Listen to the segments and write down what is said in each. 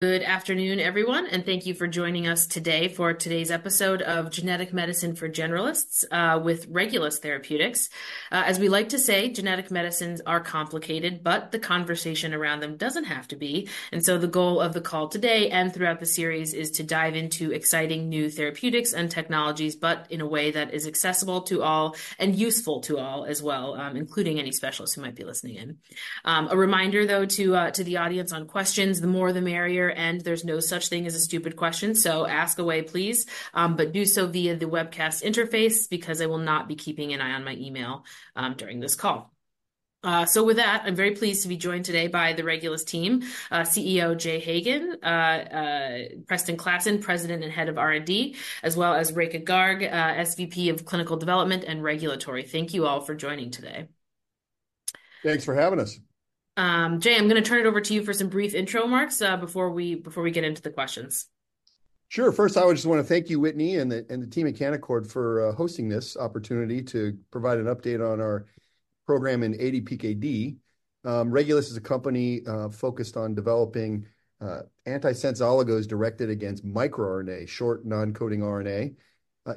Good afternoon, everyone, and thank you for joining us today for today's episode of Genetic Medicine for Generalists with Regulus Therapeutics. As we like to say, genetic medicines are complicated, but the conversation around them doesn't have to be. And so the goal of the call today and throughout the series is to dive into exciting new therapeutics and technologies, but in a way that is accessible to all and useful to all as well, including any specialists who might be listening in. A reminder, though, to the audience on questions, the more the merrier, and there's no such thing as a stupid question, so ask away, please. But do so via the webcast interface, because I will not be keeping an eye on my email during this call. So with that, I'm very pleased to be joined today by the Regulus team, CEO Jay Hagan, Preston Klassen, President and Head of R&D, as well as Rekha Garg, SVP of Clinical Development and Regulatory. Thank you all for joining today. Thanks for having us. Jay, I'm gonna turn it over to you for some brief intro remarks before we get into the questions. Sure. First, I would just wanna thank you, Whitney, and the team at Canaccord for hosting this opportunity to provide an update on our program in ADPKD. Regulus is a company focused on developing antisense oligos directed against microRNA, short non-coding RNA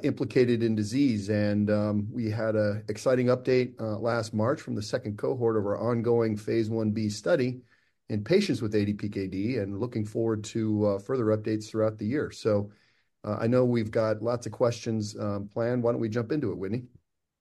implicated in disease. We had a exciting update last March from the second cohort of our ongoing phase Ib study in patients with ADPKD, and looking forward to further updates throughout the year. I know we've got lots of questions planned. Why don't we jump into it, Whitney?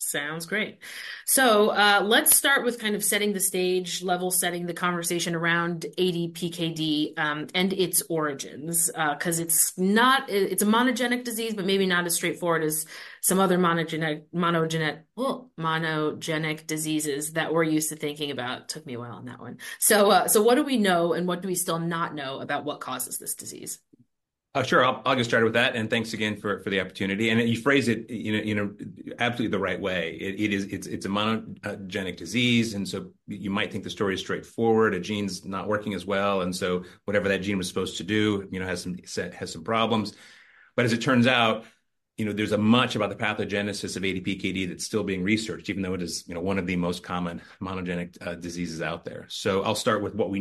Sounds great. So, let's start with kind of setting the stage, level setting the conversation around ADPKD, and its origins. 'Cause it's not... it's a monogenic disease, but maybe not as straightforward as some other monogenic, monogenic diseases that we're used to thinking about. Took me a while on that one. So, so what do we know, and what do we still not know about what causes this disease? Sure. I'll get started with that, and thanks again for the opportunity. And you phrase it, you know, absolutely the right way. It is, it's a monogenic disease, and so you might think the story is straightforward, a gene's not working as well, and so whatever that gene was supposed to do, you know, has some problems. But as it turns out, you know, there's a much about the pathogenesis of ADPKD that's still being researched, even though it is, you know, one of the most common monogenic diseases out there. So I'll start with what we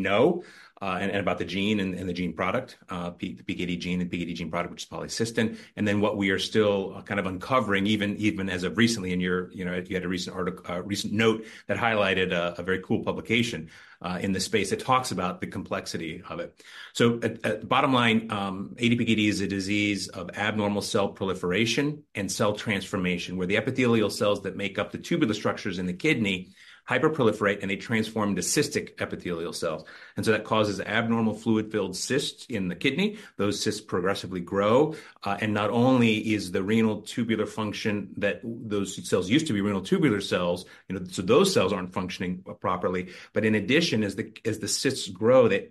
know, and about the gene and the gene product, the PKD gene, the PKD gene product, which is polycystin, and then what we are still kind of uncovering, even as of recently in your... You know, you had a recent note that highlighted a very cool publication in this space that talks about the complexity of it. So at the bottom line, ADPKD is a disease of abnormal cell proliferation and cell transformation, where the epithelial cells that make up the tubular structures in the kidney hyperproliferate, and they transform to cystic epithelial cells. And so that causes abnormal fluid-filled cysts in the kidney. Those cysts progressively grow, and not only is the renal tubular function that those cells used to be renal tubular cells, you know, so those cells aren't functioning properly. But in addition, as the cysts grow, they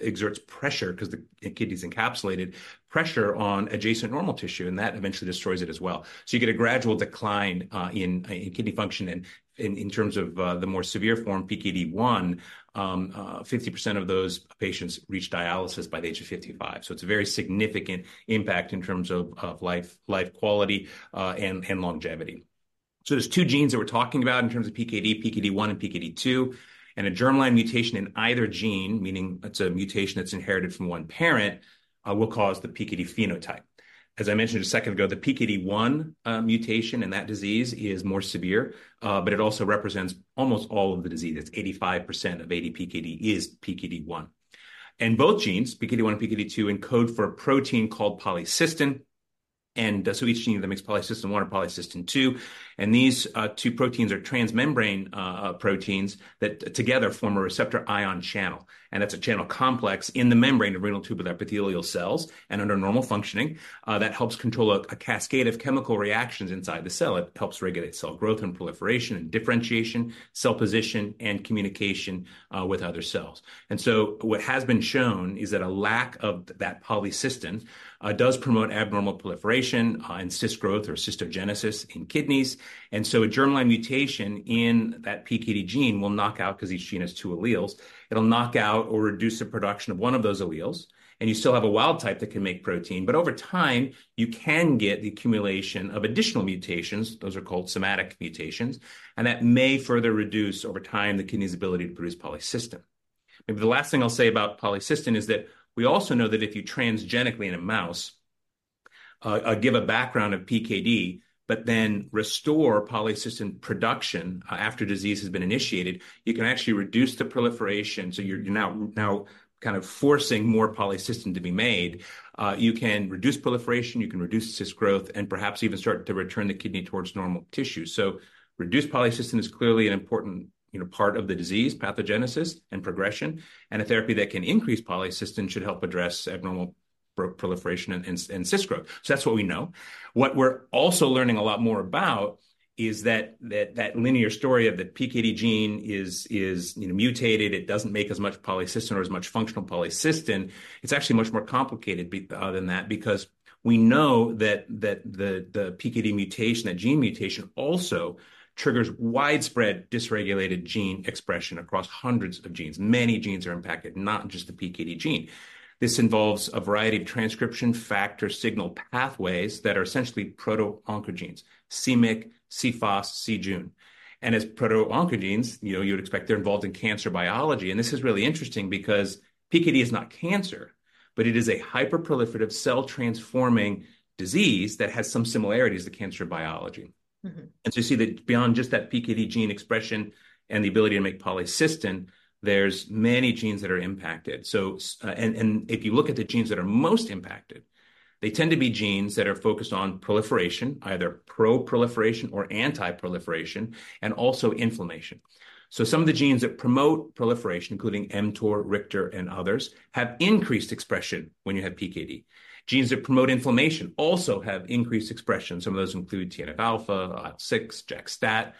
exert pressure 'cause the kidney's encapsulated, pressure on adjacent normal tissue, and that eventually destroys it as well. So you get a gradual decline in kidney function. And in terms of the more severe form, PKD1, 50% of those patients reach dialysis by the age of 55. So it's a very significant impact in terms of life quality and longevity. So there's two genes that we're talking about in terms of PKD: PKD1 and PKD2. And a germline mutation in either gene, meaning it's a mutation that's inherited from one parent, will cause the PKD phenotype. As I mentioned a second ago, the PKD1 mutation in that disease is more severe, but it also represents almost all of the disease. It's 85% of ADPKD is PKD1. Both genes, PKD1 and PKD2, encode for a protein called polycystin, and so each gene that makes polycystin one or polycystin two, and these two proteins are transmembrane proteins that together form a receptor ion channel. That's a channel complex in the membrane of renal tubular epithelial cells, and under normal functioning, that helps control a cascade of chemical reactions inside the cell. It helps regulate cell growth and proliferation and differentiation, cell position, and communication with other cells. So what has been shown is that a lack of that polycystin does promote abnormal proliferation and cyst growth or cystogenesis in kidneys. And so a germline mutation in that PKD gene will knock out, 'cause each gene has two alleles, it'll knock out or reduce the production of one of those alleles, and you still have a wild type that can make protein, but over time, you can get the accumulation of additional mutations, those are called somatic mutations, and that may further reduce, over time, the kidney's ability to produce polycystin. Maybe the last thing I'll say about polycystin is that we also know that if you transgenically in a mouse, give a background of PKD, but then restore polycystin production, after disease has been initiated, you can actually reduce the proliferation. So you're now kind of forcing more polycystin to be made. You can reduce proliferation, you can reduce cyst growth, and perhaps even start to return the kidney towards normal tissue. So reduced polycystin is clearly an important, you know, part of the disease pathogenesis and progression, and a therapy that can increase polycystin should help address abnormal proliferation and cyst growth. So that's what we know. What we're also learning a lot more about is that linear story of the PKD gene is, you know, mutated; it doesn't make as much polycystin or as much functional polycystin. It's actually much more complicated than that, because we know that the PKD mutation, that gene mutation, also triggers widespread dysregulated gene expression across hundreds of genes. Many genes are impacted, not just the PKD gene. This involves a variety of transcription factor signal pathways that are essentially proto-oncogenes: c-Myc, c-Fos, c-Jun. As proto-oncogenes, you know, you'd expect they're involved in cancer biology, and this is really interesting because PKD is not cancer, but it is a hyperproliferative cell-transforming disease that has some similarities to cancer biology. Mm-hmm. So you see that beyond just that PKD gene expression and the ability to make polycystin, there's many genes that are impacted. So, if you look at the genes that are most impacted, they tend to be genes that are focused on proliferation, either pro-proliferation or anti-proliferation, and also inflammation. So some of the genes that promote proliferation, including mTOR, RICTOR, and others, have increased expression when you have PKD. Genes that promote inflammation also have increased expression. Some of those include TNF-alpha, IL-6, JAK/STAT,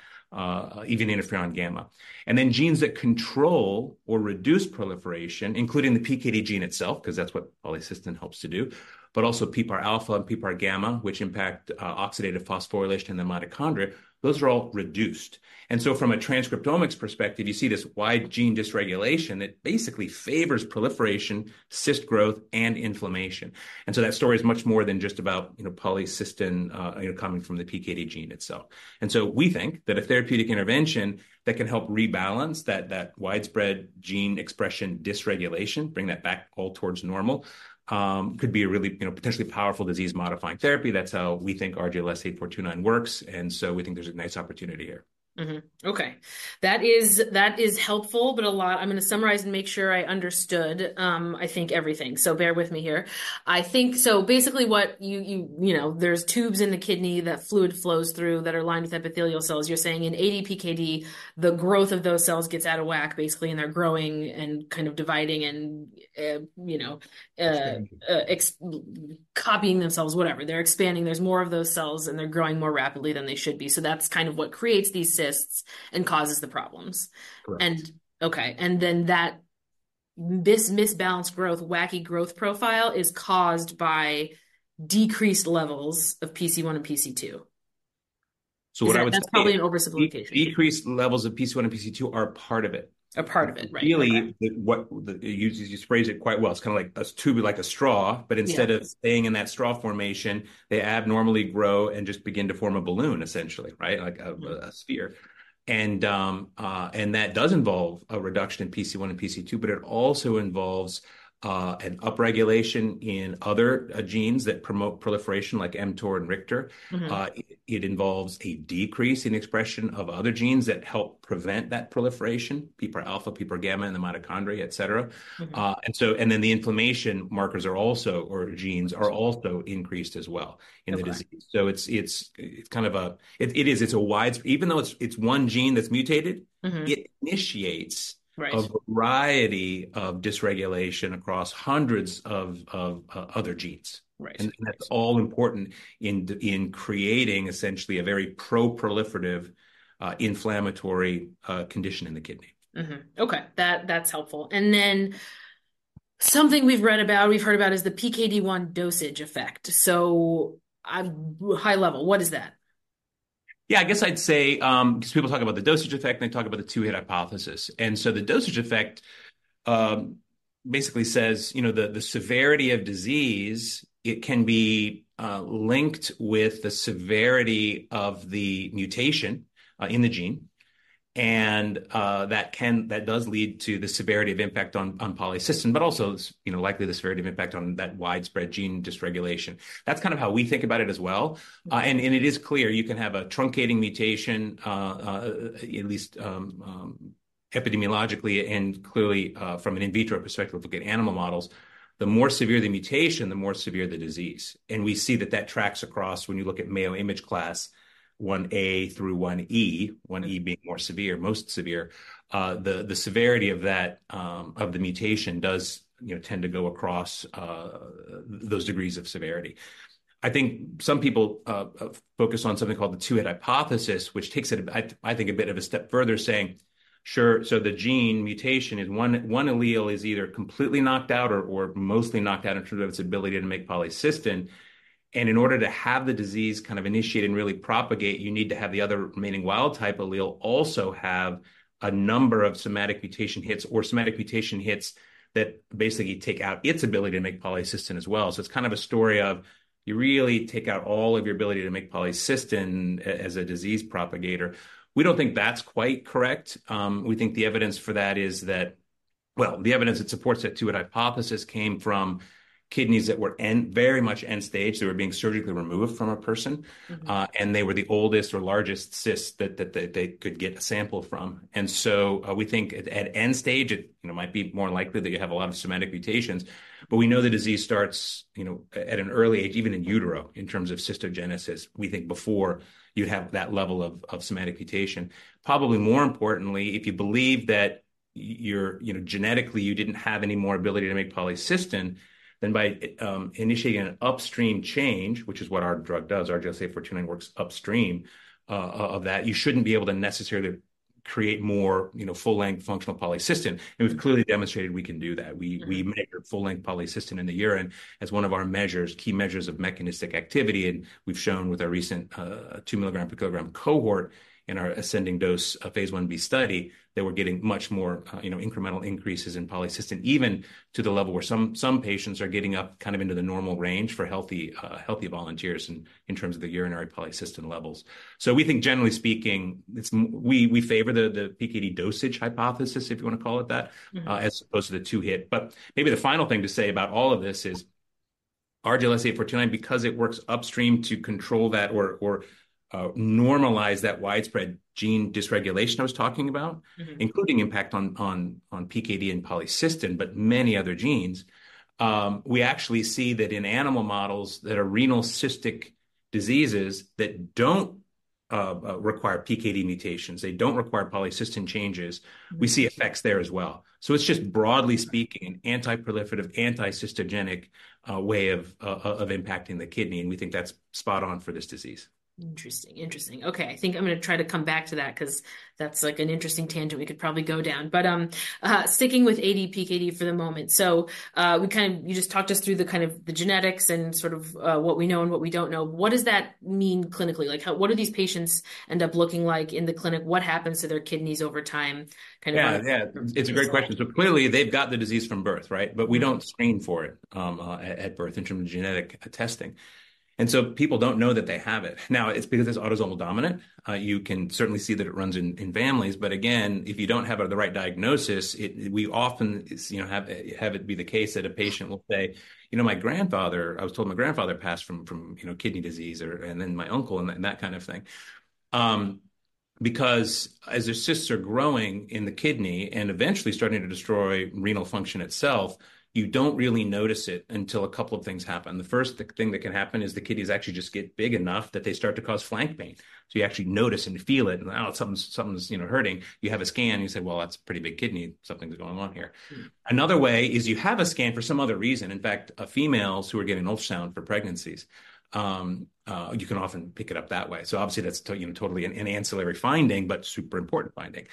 even interferon gamma. And then genes that control or reduce proliferation, including the PKD gene itself, 'cause that's what polycystin helps to do, but also PPAR-alpha and PPAR-gamma, which impact, oxidative phosphorylation in the mitochondria, those are all reduced. From a transcriptomics perspective, you see this wide gene dysregulation that basically favors proliferation, cyst growth, and inflammation. That story is much more than just about, you know, polycystin, you know, coming from the PKD gene itself. We think that a therapeutic intervention that can help rebalance that, that widespread gene expression dysregulation, bring that back all towards normal, could be a really, you know, potentially powerful disease-modifying therapy. That's how we think RGLS8429 works, and so we think there's a nice opportunity here. Mm-hmm. Okay. That is helpful, but a lot... I'm gonna summarize and make sure I understood, I think everything, so bear with me here. I think, so basically what you... You know, there's tubes in the kidney that fluid flows through that are lined with epithelial cells. You're saying in ADPKD, the growth of those cells gets out of whack, basically, and they're growing and kind of dividing and, you know. Expanding. Copying themselves, whatever. They're expanding. There's more of those cells, and they're growing more rapidly than they should be, so that's kind of what creates these cysts and causes the problems. Correct. This imbalanced growth, wacky growth profile is caused by decreased levels of PC1 and PC2? So what I would say- That's probably an oversimplification. Decreased levels of PC1 and PC2 are a part of it. A part of it, right. Really, you phrase it quite well. It's kind of like a tube like a straw, but- Yeah... instead of staying in that straw formation, they abnormally grow and just begin to form a balloon, essentially, right? Like a sphere. And, and that does involve a reduction in PC1 and PC2, but it also involves an upregulation in other genes that promote proliferation, like mTOR and RICTOR. Mm-hmm. It involves a decrease in expression of other genes that help prevent that proliferation, PPAR-alpha, PPAR-gamma, and the mitochondria, et cetera. Mm-hmm. And so, and then the inflammation markers are also, or genes, are also increased as well in the disease. Right. So it's kind of a... It is. It's a wide—even though it's one gene that's mutated— Mm-hmm... it initiates- Right... a variety of dysregulation across hundreds of other genes. Right. Right. That's all important in creating essentially a very proliferative, inflammatory, condition in the kidney. Mm-hmm. Okay, that, that's helpful. And then something we've read about, we've heard about is the PKD1 dosage effect. So at high level, what is that? Yeah, I guess I'd say, 'cause people talk about the dosage effect, and they talk about the Two-Hit Hypothesis. So the dosage effect basically says, you know, the severity of disease, it can be linked with the severity of the mutation in the gene, and that does lead to the severity of impact on polycystin, but also, you know, likely the severity of impact on that widespread gene dysregulation. That's kind of how we think about it as well. Mm-hmm. And it is clear you can have a truncating mutation, at least epidemiologically and clearly, from an in vitro perspective, if you look at animal models, the more severe the mutation, the more severe the disease. And we see that that tracks across when you look at Mayo imaging class 1A through 1E, 1E being more severe, most severe. The severity of that, of the mutation does, you know, tend to go across those degrees of severity. I think some people focus on something called the two-hit hypothesis, which takes it a bit of a step further, saying, "Sure, so the gene mutation is one... One allele is either completely knocked out or mostly knocked out in terms of its ability to make polycystin, and in order to have the disease kind of initiate and really propagate, you need to have the other remaining wild-type allele also have a number of somatic mutation hits or somatic mutation hits that basically take out its ability to make polycystin as well. So it's kind of a story of you really take out all of your ability to make polycystin as a disease propagator. We don't think that's quite correct. We think the evidence for that is that... Well, the evidence that supports the two-hit hypothesis came from kidneys that were very much end-stage. They were being surgically removed from a person. Mm-hmm. And they were the oldest or largest cysts that they could get a sample from. And so, we think at end stage, it, you know, might be more likely that you have a lot of somatic mutations. But we know the disease starts, you know, at an early age, even in utero, in terms of cystogenesis. We think before you'd have that level of somatic mutation. Probably more importantly, if you believe that you're, you know, genetically you didn't have any more ability to make polycystin, then by initiating an upstream change, which is what our drug does, RGLS8429 works upstream of that. You shouldn't be able to necessarily create more, you know, full-length functional polycystin. And we've clearly demonstrated we can do that. Mm-hmm. We measure full-length polycystin in the urine as one of our measures, key measures of mechanistic activity, and we've shown with our recent, 2 mg/kg cohort in our ascending-dose, phase Ib study, that we're getting much more, you know, incremental increases in polycystin, even to the level where some patients are getting up kind of into the normal range for healthy volunteers in terms of the urinary polycystin levels. So we think, generally speaking, it's we, we favor the, the PKD dosage hypothesis, if you wanna call it that- Mm-hmm... as opposed to the two-hit. But maybe the final thing to say about all of this is RGLS8429, because it works upstream to control that or, or, normalize that widespread gene dysregulation I was talking about- Mm-hmm... including impact on PKD and polycystin, but many other genes. We actually see that in animal models that are renal cystic diseases that don't require PKD mutations. They don't require polycystin changes. We see effects there as well. So it's just broadly speaking, an anti-proliferative, anti-cystogenic way of impacting the kidney, and we think that's spot on for this disease. Interesting. Interesting. Okay, I think I'm gonna try to come back to that 'cause that's, like, an interesting tangent we could probably go down. But, sticking with ADPKD for the moment, so, we kind of, you just talked us through the kind of the genetics and sort of, what we know and what we don't know. What does that mean clinically? Like, how - what do these patients end up looking like in the clinic? What happens to their kidneys over time? Kind of on a- Yeah. Yeah, it's a great question. So clearly, they've got the disease from birth, right? Mm. But we don't screen for it at birth in terms of genetic testing, and so people don't know that they have it. Now, it's because it's autosomal dominant. You can certainly see that it runs in families, but again, if you don't have the right diagnosis. We often, you know, have it be the case that a patient will say, "You know, my grandfather, I was told my grandfather passed from you know kidney disease, or... And then my uncle," and that kind of thing. Because as their cysts are growing in the kidney and eventually starting to destroy renal function itself, you don't really notice it until a couple of things happen. The first thing that can happen is the kidneys actually just get big enough that they start to cause flank pain, so you actually notice and feel it. "Oh, something's, something's, you know, hurting." You have a scan, you say, "Well, that's a pretty big kidney. Something's going on here. Mm. Another way is you have a scan for some other reason. In fact, females who are getting ultrasound for pregnancies, you can often pick it up that way. So obviously, that's you know, totally an ancillary finding, but super important finding.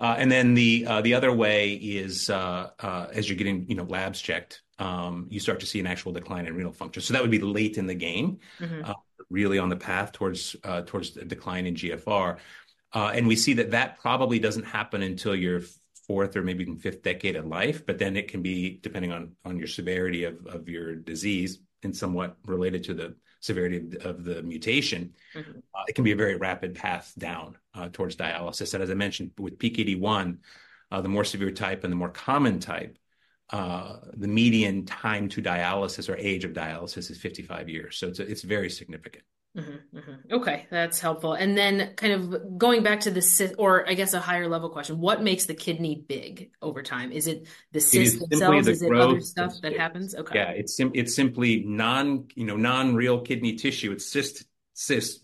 Mm. And then the other way is, as you're getting, you know, labs checked, you start to see an actual decline in renal function. So that would be late in the game- Mm-hmm... really on the path towards the decline in GFR. We see that probably doesn't happen until your fourth or maybe even fifth decade in life, but then it can be, depending on your severity of your disease, and somewhat related to the severity of the mutation- Mm-hmm... it can be a very rapid path down towards dialysis. And as I mentioned, with PKD1, the more severe type and the more common type, the median time to dialysis or age of dialysis is 55 years. So it's, it's very significant. Mm-hmm. Mm-hmm. Okay, that's helpful. And then kind of going back to the cy- or I guess a higher level question, what makes the kidney big over time? Is it the cyst cells- It is simply the growth-... Is it other stuff that happens? Yeah. Okay. It's simply non-real kidney tissue, you know. It's cysts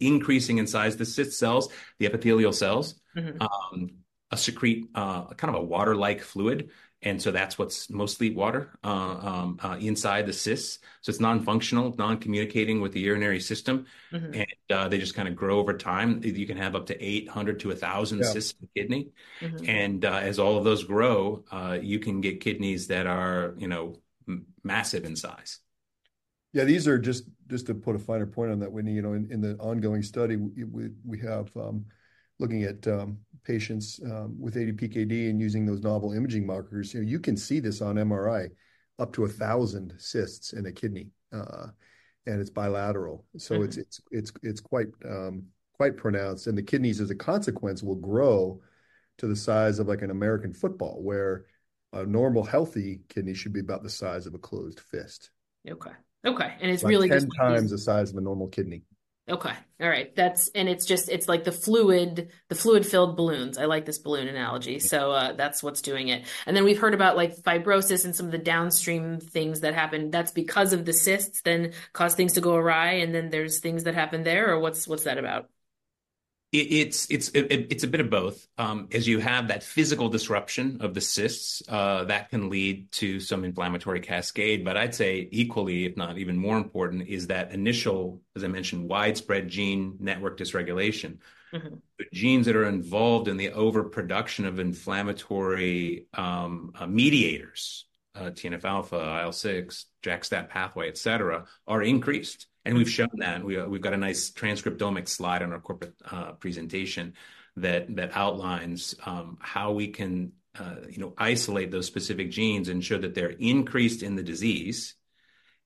increasing in size. The cyst cells, the epithelial cells- Mm-hmm... secrete kind of a water-like fluid, and so that's what's mostly water inside the cysts. So it's non-functional, non-communicating with the urinary system. Mm-hmm. They just kind of grow over time. You can have up to 800-1,000 cysts- Yeah... in the kidney. Mm-hmm. As all of those grow, you can get kidneys that are, you know, massive in size. Yeah, these are just, just to put a finer point on that, Whitney, you know, in the ongoing study, we have looking at patients with ADPKD and using those novel imaging markers, you know, you can see this on MRI, up to 1,000 cysts in a kidney, and it's bilateral. Mm-hmm. So it's quite pronounced, and the kidneys, as a consequence, will grow to the size of, like, an American football, where a normal, healthy kidney should be about the size of a closed fist. Okay. Okay, and it's really just- Like 10 times the size of a normal kidney. Okay. All right, that's and it's just, it's like the fluid, the fluid-filled balloons. I like this balloon analogy. Yeah. That's what's doing it. We've heard about, like, fibrosis and some of the downstream things that happen. That's because of the cysts, then cause things to go awry, and then there's things that happen there, or what's that about? It's a bit of both. As you have that physical disruption of the cysts, that can lead to some inflammatory cascade. But I'd say equally, if not even more important, is that initial, as I mentioned, widespread gene network dysregulation. Mm-hmm. The genes that are involved in the overproduction of inflammatory, mediators, TNF-alpha, IL-6, JAK/STAT pathway, et cetera, are increased, and we've shown that. We, we've got a nice transcriptomic slide on our corporate, presentation, that, that outlines, how we can, you know, isolate those specific genes and show that they're increased in the disease,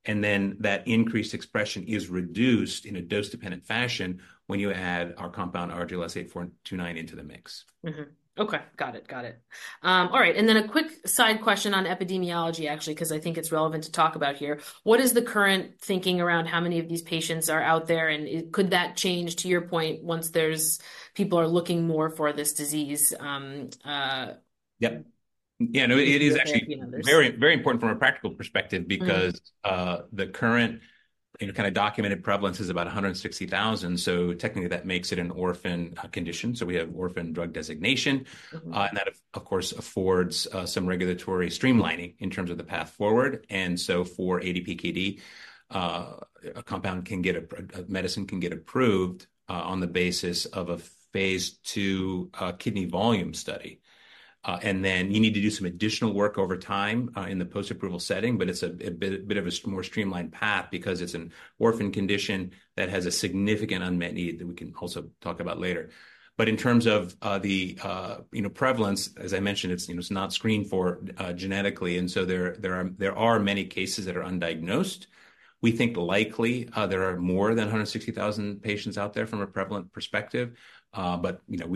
and then that increased expression is reduced in a dose-dependent fashion when you add our compound, RGLS8429, into the mix. Mm-hmm. Okay, got it, got it. All right, and then a quick side question on epidemiology, actually, 'cause I think it's relevant to talk about here: What is the current thinking around how many of these patients are out there, and could that change, to your point, once there's people are looking more for this disease? Yep. Yeah, no, it is actually- And others... very, very important from a practical perspective- Mm... because, the current, you know, kind of documented prevalence is about 160,000, so technically, that makes it an orphan condition. So we have orphan drug designation. Mm-hmm. That, of course, affords some regulatory streamlining in terms of the path forward. So for ADPKD, a medicine can get approved on the basis of a phase II kidney volume study. Then you need to do some additional work over time in the post-approval setting, but it's a bit of a more streamlined path because it's an orphan condition that has a significant unmet need that we can also talk about later. But in terms of the, you know, prevalence, as I mentioned, it's, you know, it's not screened for genetically, and so there are many cases that are undiagnosed. We think likely there are more than 160,000 patients out there from a prevalent perspective. But, you know,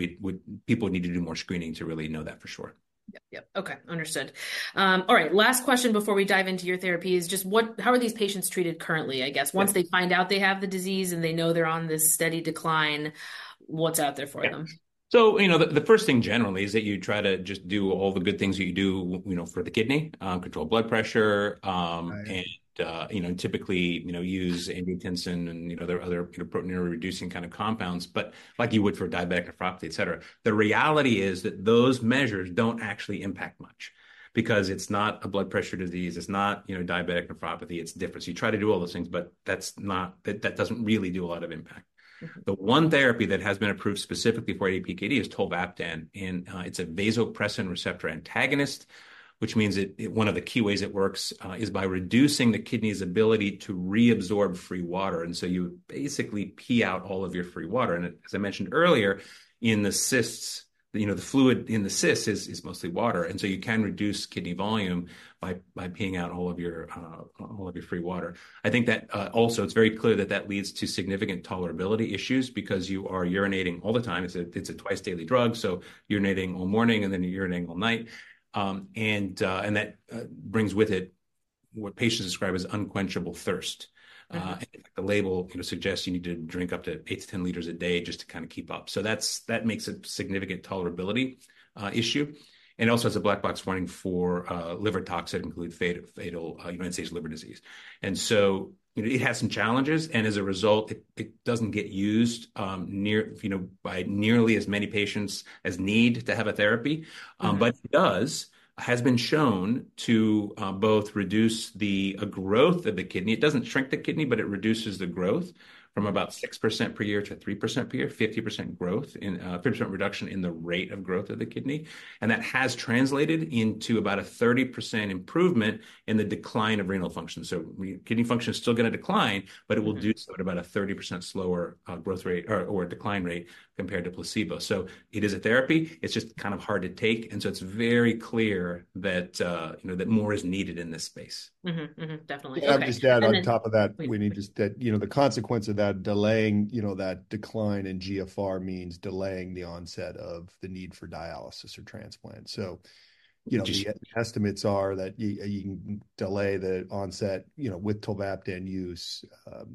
people would need to do more screening to really know that for sure.... Yep, okay, understood. All right, last question before we dive into your therapy is just what, how are these patients treated currently, I guess? Right. Once they find out they have the disease, and they know they're on this steady decline, what's out there for them? Yeah. So, you know, the first thing generally is that you try to just do all the good things that you do, you know, for the kidney. Control blood pressure. Right... and, you know, typically, you know, use angiotensin and, you know, there are other kind of proteinuria-reducing kind of compounds, but like you would for diabetic nephropathy, et cetera. The reality is that those measures don't actually impact much because it's not a blood pressure disease. It's not, you know, diabetic nephropathy. It's different. So you try to do all those things, but that's not - that doesn't really do a lot of impact. Mm-hmm. The one therapy that has been approved specifically for ADPKD is tolvaptan, and it's a vasopressin receptor antagonist, which means it one of the key ways it works is by reducing the kidney's ability to reabsorb free water. And so you basically pee out all of your free water. And as I mentioned earlier, in the cysts, you know, the fluid in the cysts is mostly water, and so you can reduce kidney volume by peeing out all of your free water. I think that also, it's very clear that that leads to significant tolerability issues because you are urinating all the time. It's a twice-daily drug, so urinating all morning, and then you're urinating all night. And that brings with it what patients describe as unquenchable thirst. Mm-hmm. And the label, you know, suggests you need to drink up to 8-10 L a day just to kind of keep up. So that's, that makes a significant tolerability issue. And it also has a black box warning for liver toxicity, including fatal, you might say, liver disease. And so, you know, it has some challenges, and as a result, it doesn't get used nearly, you know, by nearly as many patients as need to have a therapy. Mm-hmm. But it has been shown to both reduce the growth of the kidney. It doesn't shrink the kidney, but it reduces the growth from about 6% per year to 3% per year, 50% reduction in the rate of growth of the kidney. And that has translated into about a 30% improvement in the decline of renal function. So kidney function is still gonna decline- Mm-hmm... but it will do so at about a 30% slower, growth rate or, or decline rate compared to placebo. So it is a therapy. It's just kind of hard to take, and so it's very clear that, you know, that more is needed in this space. Mm-hmm. Mm-hmm. Definitely. To add on top of that- Please... we need to, you know, the consequence of that delaying, you know, that decline in GFR means delaying the onset of the need for dialysis or transplant. So, you know- Just-... the estimates are that you can delay the onset, you know, with tolvaptan use.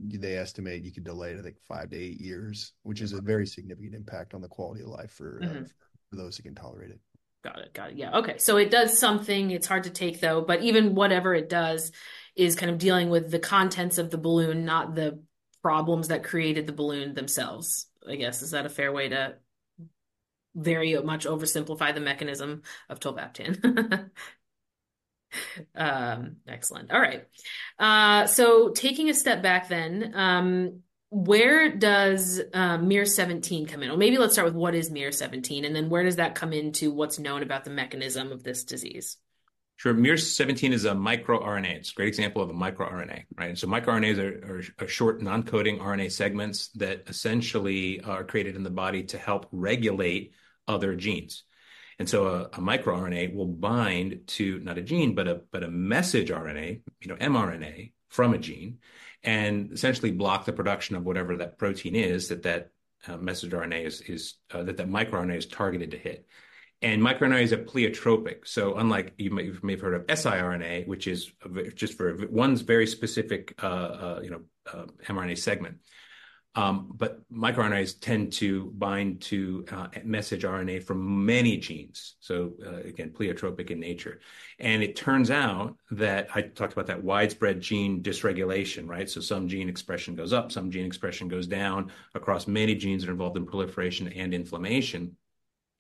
They estimate you could delay it, I think, five to eight years, which is a very significant impact on the quality of life for- Mm-hmm... for those who can tolerate it. Got it. Got it, yeah. Okay, so it does something. It's hard to take, though, but even whatever it does is kind of dealing with the contents of the balloon, not the problems that created the balloon themselves, I guess. Is that a fair way to very much oversimplify the mechanism of tolvaptan? Excellent. All right, so taking a step back then, where does miR-17 come in? Or maybe let's start with what is miR-17, and then where does that come into what's known about the mechanism of this disease? Sure. miR-17 is a microRNA. It's a great example of a microRNA, right? So microRNAs are short, non-coding RNA segments that essentially are created in the body to help regulate other genes. And so a microRNA will bind to not a gene, but a message RNA, you know, mRNA from a gene, and essentially block the production of whatever that protein is that message RNA is that the microRNA is targeted to hit. And microRNA is a pleiotropic, so unlike you may have heard of siRNA, which is very specific just for one very specific, you know, mRNA segment. But microRNAs tend to bind to message RNA from many genes, so again, pleiotropic in nature. And it turns out that I talked about that widespread gene dysregulation, right? So some gene expression goes up, some gene expression goes down across many genes that are involved in proliferation and inflammation.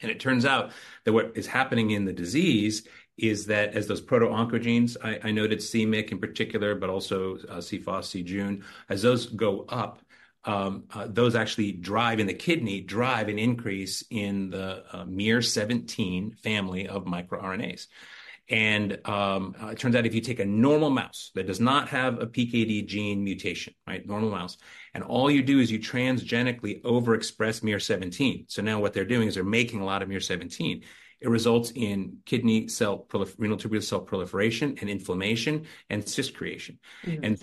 And it turns out that what is happening in the disease is that as those proto-oncogenes, I noted c-Myc in particular, but also, c-fos, c-jun, as those go up, those actually drive, in the kidney, drive an increase in the miR-17 family of microRNAs. And it turns out if you take a normal mouse that does not have a PKD gene mutation, right, normal mouse, and all you do is you transgenically overexpress miR-17. So now what they're doing is they're making a lot of miR-17. It results in kidney cell renal tubular cell proliferation and inflammation and cyst creation. Mm-hmm.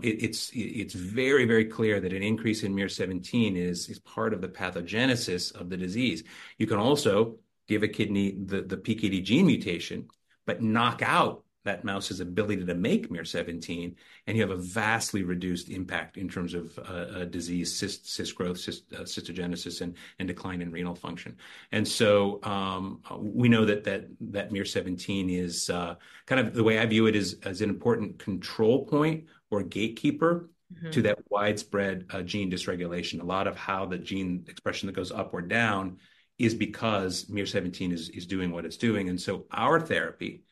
It's very, very clear that an increase in miR-17 is part of the pathogenesis of the disease. You can also give a kidney the PKD gene mutation, but knock out that mouse's ability to make miR-17, and you have a vastly reduced impact in terms of a disease, cyst growth, cystogenesis, and decline in renal function. We know that miR-17 is kind of the way I view it as an important control point or gatekeeper- Mm-hmm... to that widespread gene dysregulation. A lot of how the gene expression that goes up or down is because miR-17 is doing what it's doing. And so our therapy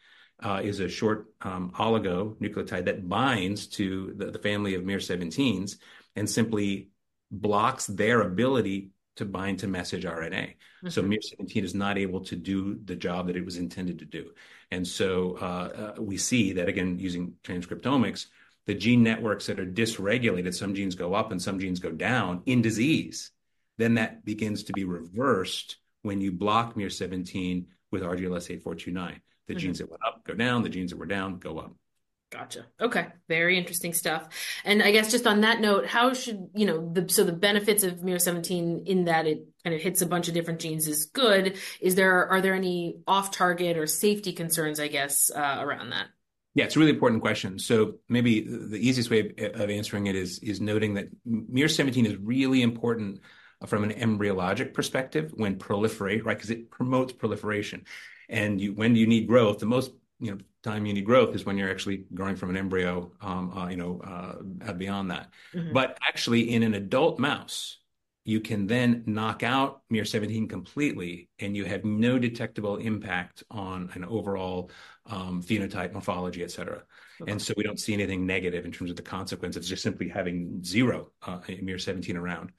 is a short oligonucleotide that binds to the family of miR-17s and simply blocks their ability to bind to messenger RNA. Mm-hmm. So miR-17 is not able to do the job that it was intended to do. And so, we see that, again, using transcriptomics, the gene networks that are dysregulated, some genes go up, and some genes go down in disease. Then that begins to be reversed when you block miR-17 with RGLS8429. Mm-hmm. The genes that went up, go down, the genes that were down, go up.... Gotcha. Okay, very interesting stuff. And I guess just on that note, how should, you know, the, so the benefits of miR-17 in that it kind of hits a bunch of different genes is good. Is there, are there any off-target or safety concerns, I guess, around that? Yeah, it's a really important question. So maybe the easiest way of answering it is noting that miR-17 is really important from an embryologic perspective when proliferate, right? 'Cause it promotes proliferation, and when you need growth the most, you know, time you need growth is when you're actually growing from an embryo, you know, beyond that. Mm-hmm. But actually, in an adult mouse, you can then knock out miR-17 completely, and you have no detectable impact on an overall, phenotype, morphology, et cetera. Okay. And so we don't see anything negative in terms of the consequences of just simply having zero miR-17 around.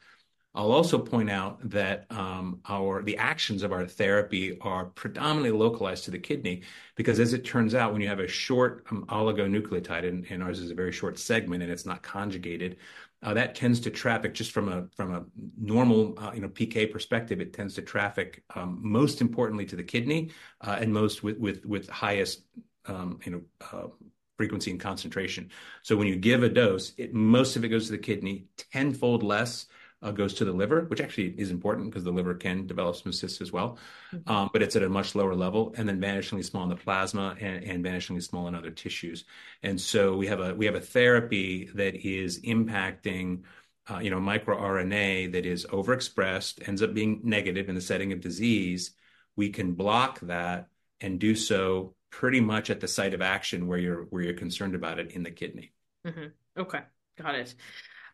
I'll also point out that the actions of our therapy are predominantly localized to the kidney, because as it turns out, when you have a short oligonucleotide, and ours is a very short segment, and it's not conjugated, that tends to traffic just from a normal, you know, PK perspective, it tends to traffic most importantly to the kidney, and most with highest, you know, frequency and concentration. So when you give a dose, most of it goes to the kidney. Tenfold less goes to the liver, which actually is important 'cause the liver can develop some cysts as well. Mm-hmm. But it's at a much lower level, and then vanishingly small in the plasma and vanishingly small in other tissues. And so we have a therapy that is impacting, you know, microRNA that is overexpressed, ends up being negative in the setting of disease. We can block that and do so pretty much at the site of action where you're concerned about it in the kidney. Mm-hmm. Okay, got it.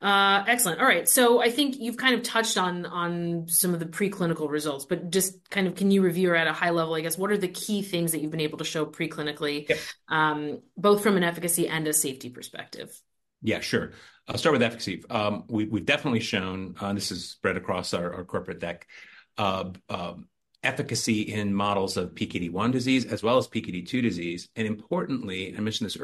Excellent. All right, so I think you've kind of touched on, on some of the preclinical results, but just kind of, can you review at a high level, I guess, what are the key things that you've been able to show preclinically? Yep... both from an efficacy and a safety perspective? Yeah, sure. I'll start with efficacy. We've definitely shown this is spread across our corporate deck, efficacy in models of PKD1 disease, as well as PKD2 disease, and importantly, and I mentioned this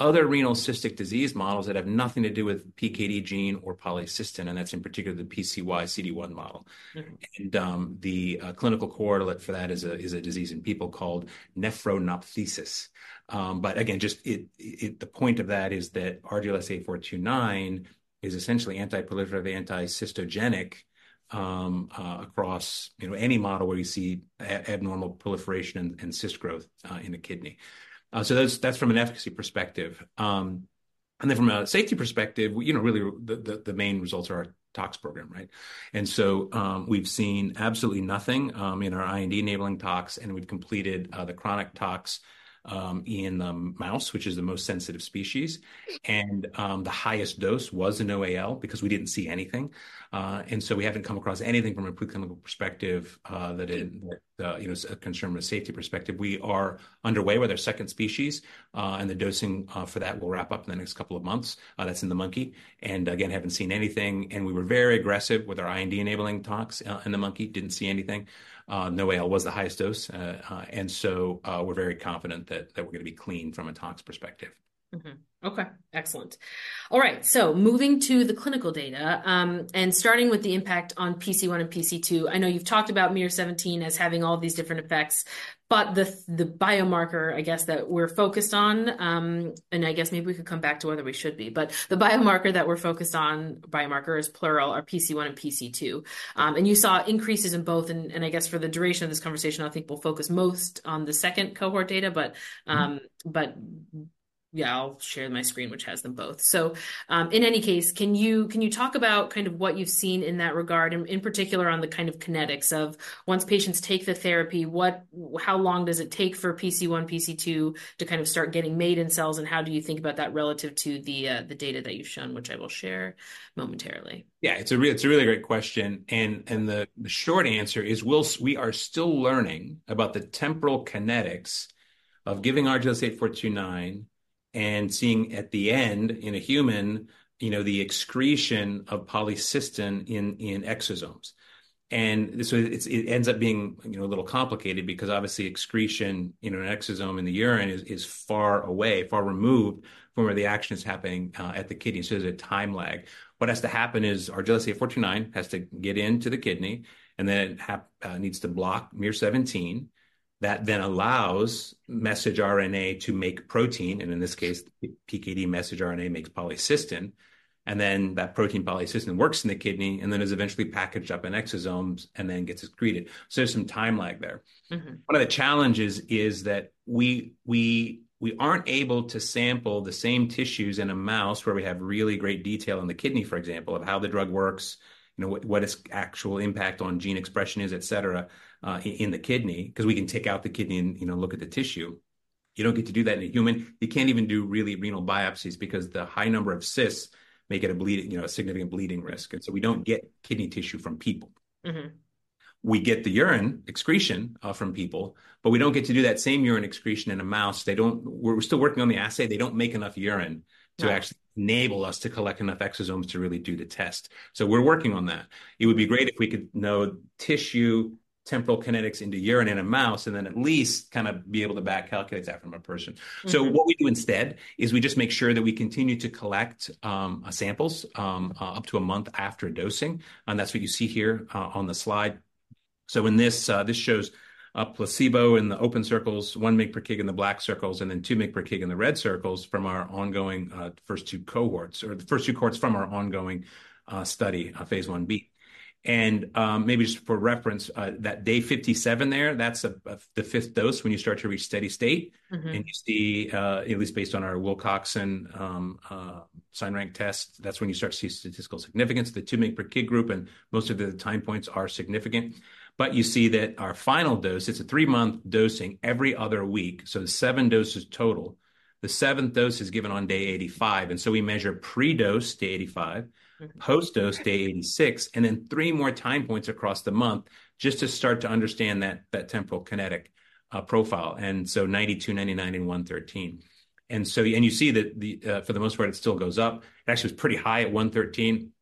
earlier, other renal cystic disease models that have nothing to do with PKD gene or polycystin, and that's in particular the Pcy CD1 model. Mm-hmm. The clinical correlate for that is a disease in people called nephronophthisis. But again, just the point of that is that RGLS8429 is essentially anti-proliferative, anti-cystogenic, across, you know, any model where you see abnormal proliferation and cyst growth in the kidney. So that's from an efficacy perspective. And then from a safety perspective, you know, really the main results are our tox program, right? And so, we've seen absolutely nothing in our IND-enabling tox, and we've completed the chronic tox in mouse, which is the most sensitive species. Mm-hmm. The highest dose was the NOAEL because we didn't see anything. So we haven't come across anything from a preclinical perspective, that it- Mm-hmm... you know, is a concern from a safety perspective. We are underway with our second species, and the dosing for that will wrap up in the next couple of months. That's in the monkey, and again, haven't seen anything, and we were very aggressive with our IND-enabling tox in the monkey. Didn't see anything. NOAEL was the highest dose. And so, we're very confident that we're gonna be clean from a tox perspective. Mm-hmm. Okay, excellent. All right, so moving to the clinical data, and starting with the impact on PC1 and PC2, I know you've talked about miR-17 as having all these different effects, but the biomarker, I guess, that we're focused on, and I guess maybe we could come back to whether we should be, but the biomarker that we're focused on, biomarkers, plural, are PC1 and PC2. And you saw increases in both, and, and I guess for the duration of this conversation, I think we'll focus most on the second cohort data, but- Mm-hmm... but yeah, I'll share my screen, which has them both. So, in any case, can you talk about kind of what you've seen in that regard, and in particular, on the kind of kinetics of once patients take the therapy, how long does it take for PC1, PC2 to kind of start getting made in cells? And how do you think about that relative to the data that you've shown, which I will share momentarily? Yeah, it's a really great question, and the short answer is we are still learning about the temporal kinetics of giving RGLS8429 and seeing at the end, in a human, you know, the excretion of polycystin in exosomes. And so it ends up being, you know, a little complicated because obviously excretion in an exosome in the urine is far away, far removed from where the action is happening, at the kidney. So there's a time lag. What has to happen is RGLS8429 has to get into the kidney, and then it needs to block miR-17. That then allows message RNA to make protein, and in this case, PKD message RNA makes polycystin. And then that protein polycystin works in the kidney and then is eventually packaged up in exosomes and then gets excreted. There's some time lag there. Mm-hmm. One of the challenges is that we aren't able to sample the same tissues in a mouse, where we have really great detail in the kidney, for example, of how the drug works, you know, what its actual impact on gene expression is, et cetera, in the kidney. 'Cause we can take out the kidney and, you know, look at the tissue. You don't get to do that in a human. You can't even do really renal biopsies because the high number of cysts make it a bleeding, you know, a significant bleeding risk, and so we don't get kidney tissue from people. Mm-hmm. We get the urine excretion from people, but we don't get to do that same urine excretion in a mouse. We're still working on the assay. They don't make enough urine- Right... to actually enable us to collect enough exosomes to really do the test. So we're working on that. It would be great if we could know tissue temporal kinetics into urine in a mouse, and then at least kind of be able to back-calculate that from a person. Mm-hmm. So what we do instead is we just make sure that we continue to collect samples up to a month after dosing, and that's what you see here on the slide. So in this, this shows placebo in the open circles, 1 mg/kg in the black circles, and then 2 mg/kg in the red circles from our ongoing first two cohorts, or the first two cohorts from our ongoing study, phase 1B. And maybe just for reference, that day 57 there, that's a the fifth dose when you start to reach steady state. Mm-hmm. And you see, at least based on our Wilcoxon signed-rank test, that's when you start to see statistical significance, the 2 mg/kg group, and most of the time points are significant. But you see that our final dose, it's a three-month dosing every other week, so 7 doses total. The seventh dose is given on day 85, and so we measure pre-dose, day 85, post-dose, day 86, and then three more time points across the month, just to start to understand temporal kinetic profile, and so 92, 99, and 113. And so and you see that the, for the most part, it still goes up. It actually was pretty high at 113.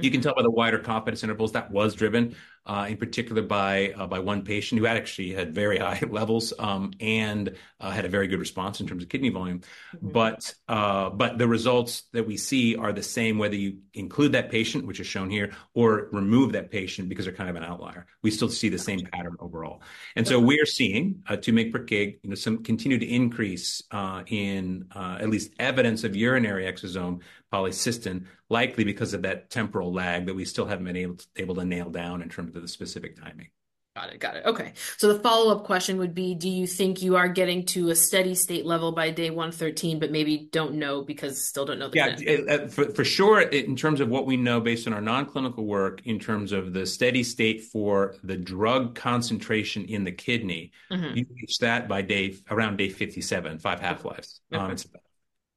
You can tell by the wider confidence intervals, that was driven in particular by one patient who had actually had very high levels and had a very good response in terms of kidney volume. Mm-hmm. But the results that we see are the same, whether you include that patient, which is shown here, or remove that patient because they're kind of an outlier. We still see the same pattern overall. Got it. And so we are seeing 2 mg/kg, you know, some continued increase in at least evidence of urinary exosome polycystin, likely because of that temporal lag, but we still haven't been able to nail down in terms of the specific timing. Got it. Got it. Okay, so the follow-up question would be, do you think you are getting to a steady state level by day 113, but maybe don't know because still don't know the- Yeah. For sure, in terms of what we know based on our non-clinical work, in terms of the steady state for the drug concentration in the kidney- Mm-hmm... you reach that by day, around day 57, 5 half-lives. Okay. It's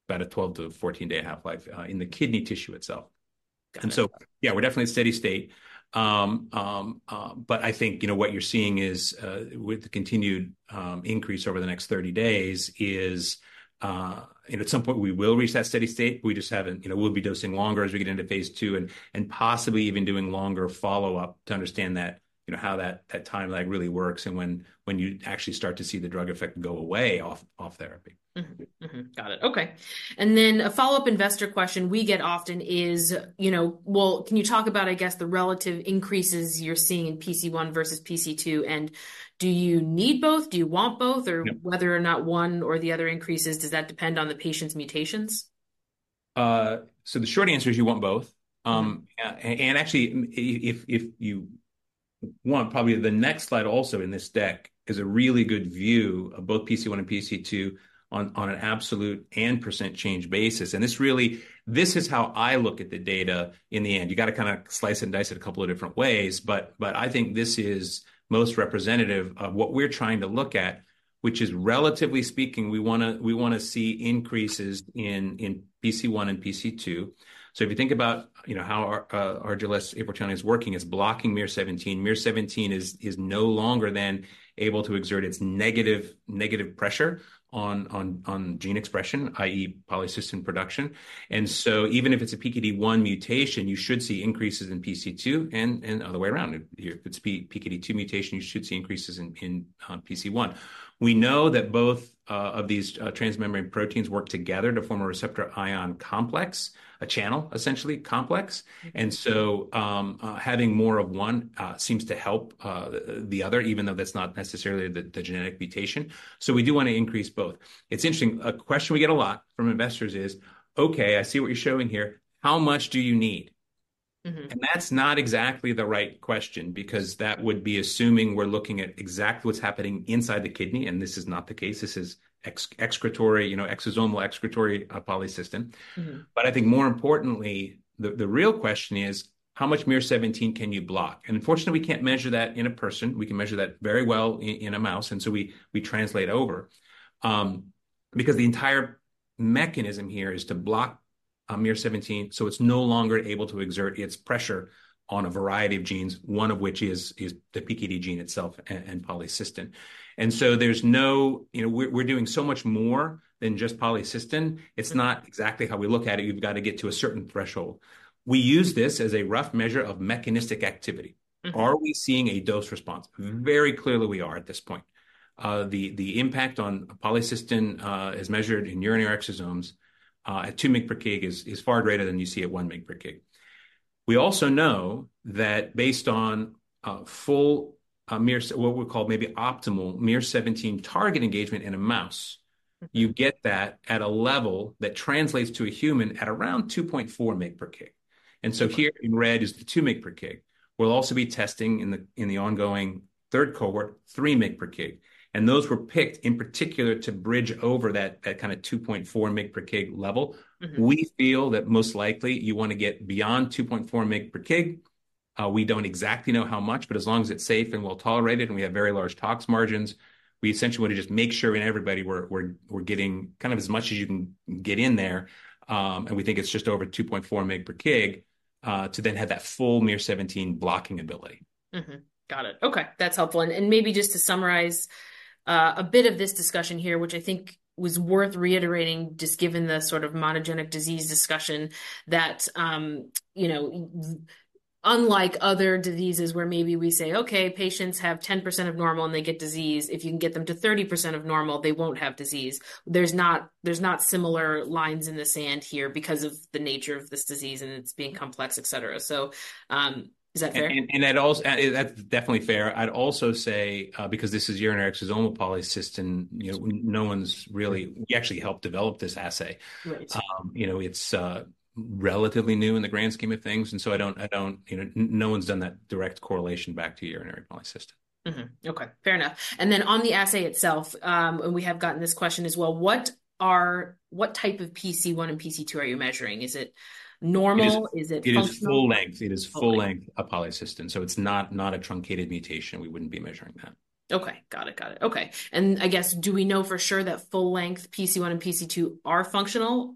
about a 12-14-day half-life in the kidney tissue itself. Got it. So, yeah, we're definitely steady state. But I think, you know, what you're seeing is with the continued increase over the next 30 days is, you know, at some point we will reach that steady state. We just haven't, you know. We'll be dosing longer as we get into phase II, and possibly even doing longer follow-up to understand that, you know, how that time lag really works and when you actually start to see the drug effect go away off therapy. Mm-hmm. Mm-hmm. Got it. Okay. And then a follow-up investor question we get often is, you know, well, can you talk about, I guess, the relative increases you're seeing in PC1 versus PC2, and do you need both? Do you want both? Yep. Whether or not one or the other increases, does that depend on the patient's mutations? The short answer is you want both. Mm-hmm. Actually, if you want, probably the next slide also in this deck is a really good view of both PC1 and PC2 on an absolute and percent change basis. This really is how I look at the data in the end. You gotta kinda slice and dice it a couple of different ways, but I think this is most representative of what we're trying to look at, which is, relatively speaking, we wanna see increases in PC1 and PC2. So if you think about, you know, how our RGLS8429 is working, it's blocking miR-17. miR-17 is no longer then able to exert its negative pressure on gene expression, i.e., polycystin production. So even if it's a PKD1 mutation, you should see increases in PC2, and other way around. If it's PKD2 mutation, you should see increases in PC1. We know that both of these transmembrane proteins work together to form a receptor ion complex, a channel, essentially, complex. Mm-hmm. Having more of one seems to help the other, even though that's not necessarily the genetic mutation. We do wanna increase both. It's interesting, a question we get a lot from investors is, "Okay, I see what you're showing here. How much do you need? Mm-hmm. That's not exactly the right question, because that would be assuming we're looking at exactly what's happening inside the kidney, and this is not the case. This is excretory, you know, exosomal excretory polycystin. Mm-hmm. But I think more importantly, the real question is, how much miR-17 can you block? And unfortunately, we can't measure that in a person. We can measure that very well in a mouse, and so we translate over. Because the entire mechanism here is to block miR-17, so it's no longer able to exert its pressure on a variety of genes, one of which is the PKD gene itself, and polycystin. And so there's no... You know, we're doing so much more than just polycystin. Mm-hmm. It's not exactly how we look at it. You've got to get to a certain threshold. We use this as a rough measure of mechanistic activity. Mm-hmm. Are we seeing a dose response? Very clearly, we are at this point. The impact on polycystin, as measured in urinary exosomes, at 2 mg/kg is far greater than you see at 1 mg/kg. We also know that based on full miR-17 target engagement in a mouse- Mm-hmm... you get that at a level that translates to a human at around 2.4 mg/kg. Mm-hmm. And so here in red is the 2 mg/kg. We'll also be testing in the ongoing third cohort, 3 mg/kg, and those were picked in particular to bridge over that kind of 2.4 mg/kg level. Mm-hmm. We feel that most likely you wanna get beyond 2.4 mg/kg. We don't exactly know how much, but as long as it's safe and well-tolerated, and we have very large tox margins, we essentially wanna just make sure in everybody we're getting kind of as much as you can get in there. And we think it's just over 2.4 mg/kg to then have that full miR-17 blocking ability. Mm-hmm. Got it. Okay, that's helpful. And, and maybe just to summarize, a bit of this discussion here, which I think was worth reiterating, just given the sort of monogenic disease discussion, that, you know, unlike other diseases where maybe we say, "Okay, patients have 10% of normal, and they get disease. If you can get them to 30% of normal, they won't have disease." There's not, there's not similar lines in the sand here because of the nature of this disease, and it's being complex, et cetera. So, is that fair? And that also, that's definitely fair. I'd also say, because this is urinary exosomal polycystin, you know, no one's really... We actually helped develop this assay. Right. You know, it's relatively new in the grand scheme of things, and so I don't, I don't— You know, no one's done that direct correlation back to urinary polycystin. Mm-hmm. Okay, fair enough. And then on the assay itself, and we have gotten this question as well, what type of PC1 and PC2 are you measuring? Is it normal? It is- Is it functional? It is full length. Okay. It is full length, a polycystin, so it's not, not a truncated mutation. We wouldn't be measuring that. Okay, got it. Got it. Okay. And I guess, do we know for sure that full-length PC1 and PC2 are functional?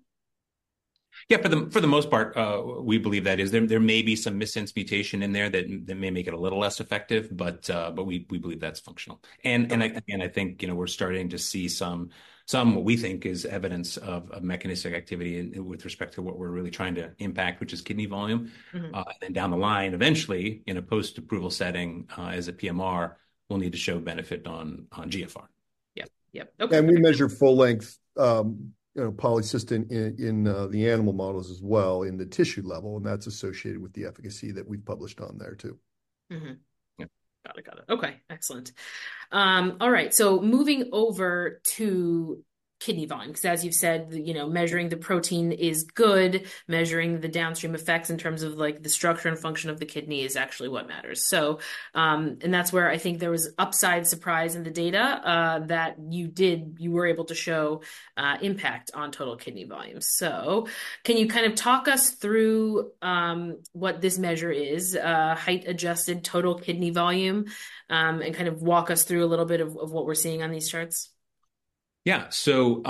Yeah, for the most part, we believe that is. There may be some missense mutation in there that may make it a little less effective, but we believe that's functional. Got it. I think, you know, we're starting to see some, some what we think is evidence of, of mechanistic activity in... with respect to what we're really trying to impact, which is kidney volume. Mm-hmm. And then down the line, eventually, in a post-approval setting, as a PMR, we'll need to show benefit on GFR. Yep. Yep. Okay. We measure full-length, you know, polycystin in the animal models as well in the tissue level, and that's associated with the efficacy that we've published on there, too. Mm-hmm. Yep, got it, got it. Okay, excellent. All right, so moving over to kidney volume, 'cause as you've said, you know, measuring the protein is good. Measuring the downstream effects in terms of, like, the structure and function of the kidney is actually what matters. So, and that's where I think there was upside surprise in the data, that you did. You were able to show, impact on total kidney volume. So can you kind of talk us through, what this measure is, height-adjusted total kidney volume, and kind of walk us through a little bit of what we're seeing on these charts? Yeah. So,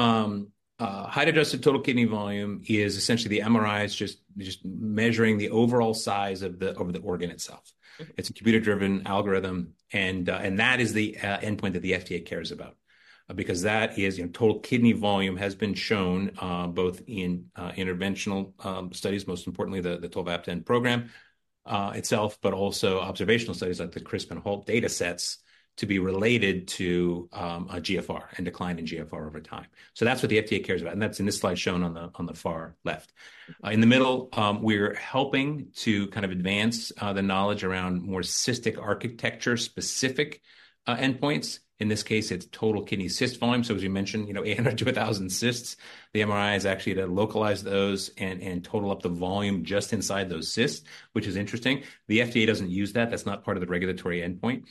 height-adjusted total kidney volume is essentially the MRIs, just measuring the overall size of the organ itself. Mm-hmm. It's a computer-driven algorithm, and that is the endpoint that the FDA cares about. Because that is, you know, total kidney volume has been shown both in interventional studies, most importantly, the tolvaptan program itself, but also observational studies like the CRISP and HALT datasets, to be related to GFR and decline in GFR over time. So that's what the FDA cares about, and that's in this slide shown on the far left. Mm-hmm. In the middle, we're helping to kind of advance the knowledge around more cystic architecture-specific endpoints. In this case, it's total kidney cyst volume. So as we mentioned, you know, 800-1,000 cysts. The MRI is actually to localize those and, and total up the volume just inside those cysts, which is interesting. The FDA doesn't use that. That's not part of the regulatory endpoint.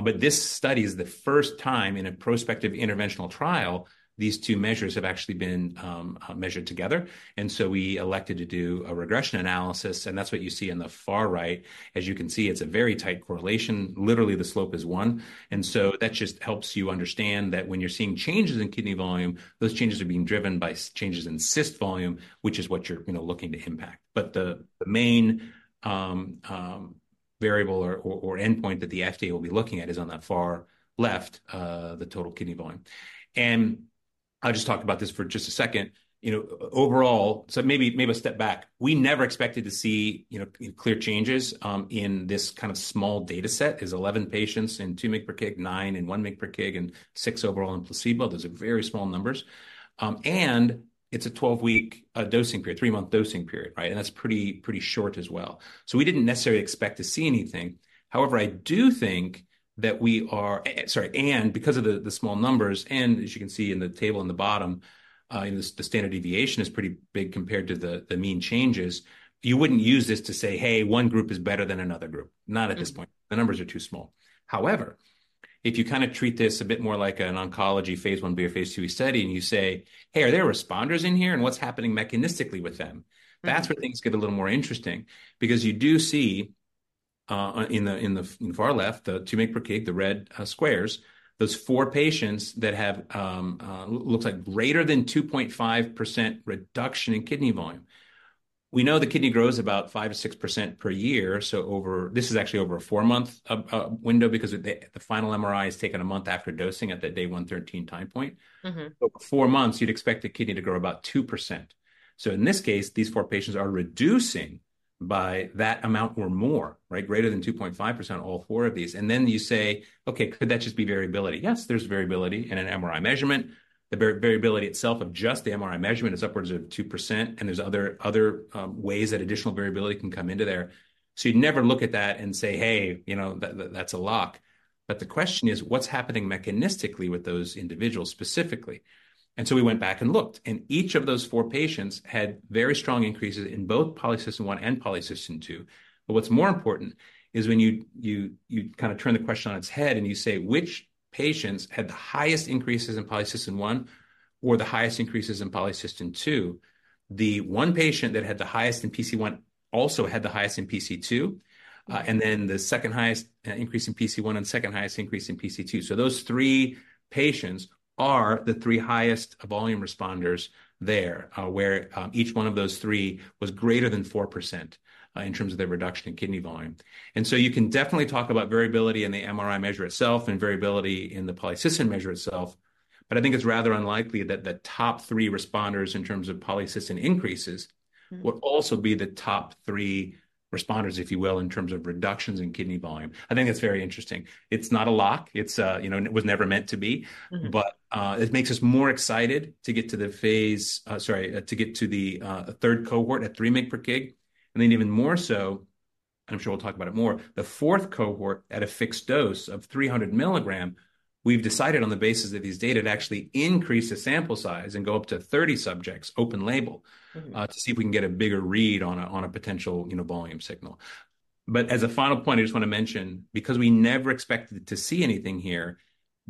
But this study is the first time in a prospective interventional trial these two measures have actually been measured together, and so we elected to do a regression analysis, and that's what you see on the far right. As you can see, it's a very tight correlation. Literally, the slope is 1, and so that just helps you understand that when you're seeing changes in kidney volume, those changes are being driven by changes in cyst volume, which is what you're, you know, looking to impact. But the main variable or endpoint that the FDA will be looking at is on that far left, the total kidney volume. And I'll just talk about this for just a second. You know, overall. So maybe a step back. We never expected to see, you know, clear changes in this kind of small data set. It's 11 patients in 2 mg/kg, 9 in 1 mg/kg, and 6 overall in placebo. Those are very small numbers. And it's a 12-week dosing period, 3-month dosing period, right? And that's pretty short as well. So we didn't necessarily expect to see anything. However, I do think that we are... Sorry, and because of the small numbers, and as you can see in the table in the bottom, the standard deviation is pretty big compared to the mean changes. You wouldn't use this to say, "Hey, one group is better than another group. Mm-hmm. Not at this point. The numbers are too small. However, if you kind of treat this a bit more like an oncology phase Ib or phase II study, and you say, "Hey, are there responders in here? And what's happening mechanistically with them? Mm-hmm. That's where things get a little more interesting because you do see, in the, in the far left, the 2 mg/kg, the red, squares, those four patients that have, looks like greater than 2.5% reduction in kidney volume. We know the kidney grows about 5%-6% per year, so over... This is actually over a 4-month, window because the, the final MRI is taken a month after dosing at the day 113 time point. Mm-hmm. So four months, you'd expect the kidney to grow about 2%. So in this case, these four patients are reducing by that amount or more, right? Greater than 2.5%, all four of these. And then you say, "Okay, could that just be variability?" Yes, there's variability in an MRI measurement. The variability itself of just the MRI measurement is upwards of 2%, and there's other ways that additional variability can come into there. So you'd never look at that and say, "Hey, you know, that, that's a lock." But the question is, what's happening mechanistically with those individuals specifically? And so we went back and looked, and each of those four patients had very strong increases in both polycystin 1 and polycystin 2. But what's more important is when you kind of turn the question on its head, and you say, "Which patients had the highest increases in polycystin-1 or the highest increases in polycystin-2?" The one patient that had the highest in PC1 also had the highest in PC2, and then the second highest increase in PC1 and second highest increase in PC2. So those three patients are the three highest volume responders there, where each one of those three was greater than 4% in terms of their reduction in kidney volume. And so you can definitely talk about variability in the MRI measure itself and variability in the polycystin measure itself... but I think it's rather unlikely that the top three responders in terms of polycystin increases- Mm-hmm. would also be the top three responders, if you will, in terms of reductions in kidney volume. I think that's very interesting. It's not a lock. It's, you know, it was never meant to be. Mm-hmm. But, it makes us more excited to get to the phase, sorry, to get to the third cohort at 3 mg/kg. And then even more so, and I'm sure we'll talk about it more, the fourth cohort at a fixed dose of 300 mg We've decided, on the basis of these data, to actually increase the sample size and go up to 30 subjects, open label. Mm. To see if we can get a bigger read on a potential, you know, volume signal. But as a final point, I just wanna mention, because we never expected to see anything here,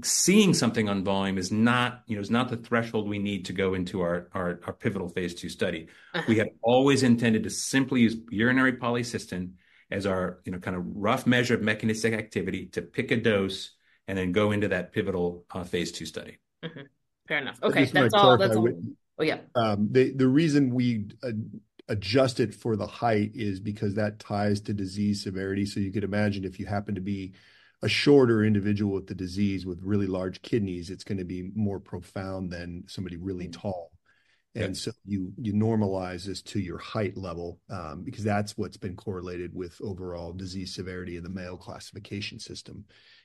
seeing something on volume is not, you know, is not the threshold we need to go into our pivotal phase 2 study. Uh-huh. We had always intended to simply use urinary polycystin as our, you know, kind of rough measure of mechanistic activity to pick a dose, and then go into that pivotal, phase II study. Mm-hmm. Fair enough. Okay, that's all- Just my thought, I would- Oh, yeah. The reason we adjust it for the height is because that ties to disease severity. So you could imagine if you happen to be a shorter individual with the disease, with really large kidneys, it's gonna be more profound than somebody really tall. Yeah. And so you normalize this to your height level, because that's what's been correlated with overall disease severity in the Mayo Classification system,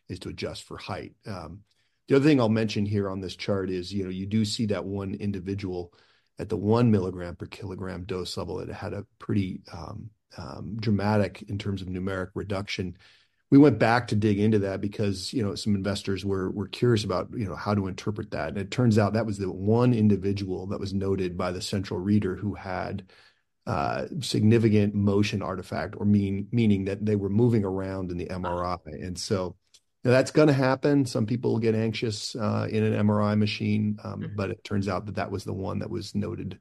is to adjust for height. The other thing I'll mention here on this chart is, you know, you do see that one individual at the 1 mg/kg dose level, it had a pretty dramatic in terms of numeric reduction. We went back to dig into that because, you know, some investors were curious about, you know, how to interpret that. And it turns out that was the one individual that was noted by the central reader who had significant motion artifact, meaning that they were moving around in the MRI. Uh-huh. And so, that's gonna happen. Some people get anxious in an MRI machine. Mm-hmm. But it turns out that that was the one that was noted,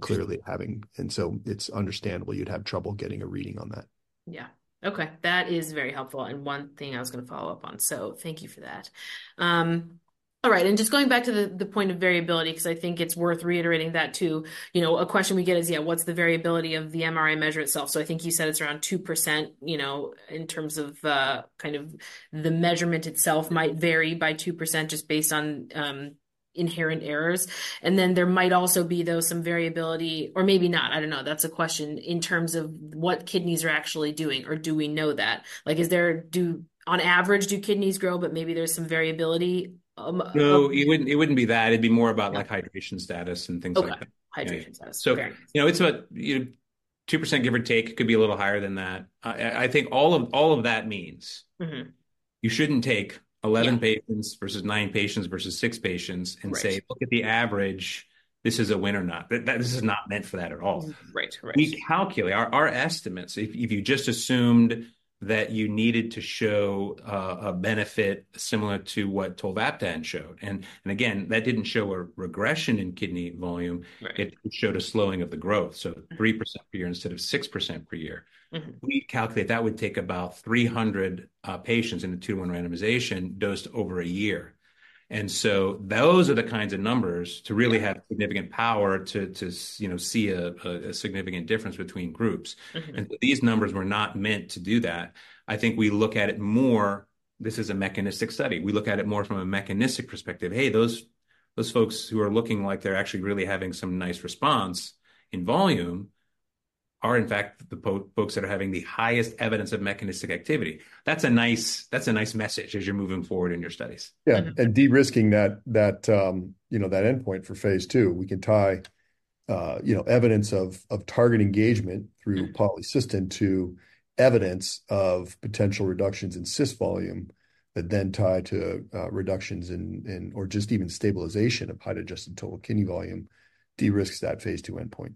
clearly. Sure And so it's understandable you'd have trouble getting a reading on that. Yeah. Okay, that is very helpful, and one thing I was gonna follow up on, so thank you for that. All right, and just going back to the point of variability, 'cause I think it's worth reiterating that too. You know, a question we get is, "Yeah, what's the variability of the MRI measure itself?" So I think you said it's around 2%, you know, in terms of kind of the measurement itself might vary by 2% just based on inherent errors. And then, there might also be, though, some variability, or maybe not, I don't know. That's a question in terms of what kidneys are actually doing, or do we know that? Like, is there? On average, do kidneys grow, but maybe there's some variability. No, it wouldn't, it wouldn't be that. It'd be more about- Yeah like hydration status and things like that. Okay. Hydration status. So- Fair. You know, it's about, you know, 2%, give or take. Could be a little higher than that. I think all of that means- Mm-hmm... you shouldn't take 11 patients- Yeah versus 9 patients, versus 6 patients Right and say, "Look at the average. This is a win or not." That, this is not meant for that at all. Mm. Right. Right. We calculate our estimates. If you just assumed that you needed to show a benefit similar to what tolvaptan showed, and again, that didn't show a regression in kidney volume- Right... it showed a slowing of the growth, so- Mm 3% per year instead of 6% per year. Mm-hmm. We calculate that would take about 300 patients in a 2-to-1 randomization dosed over a year. And so those are the kinds of numbers- Yeah to really have significant power to, you know, see a significant difference between groups. Mm-hmm. These numbers were not meant to do that. I think we look at it more, this is a mechanistic study. We look at it more from a mechanistic perspective. "Hey, those folks who are looking like they're actually really having some nice response in volume are, in fact, the folks that are having the highest evidence of mechanistic activity." That's a nice message as you're moving forward in your studies. Mm-hmm. Yeah, and de-risking that, you know, that endpoint for phase II, we can tie, you know, evidence of target engagement through polycystin to evidence of potential reductions in cyst volume, that then tie to reductions in, or just even stabilization of height-adjusted total kidney volume, de-risks that phase II endpoint.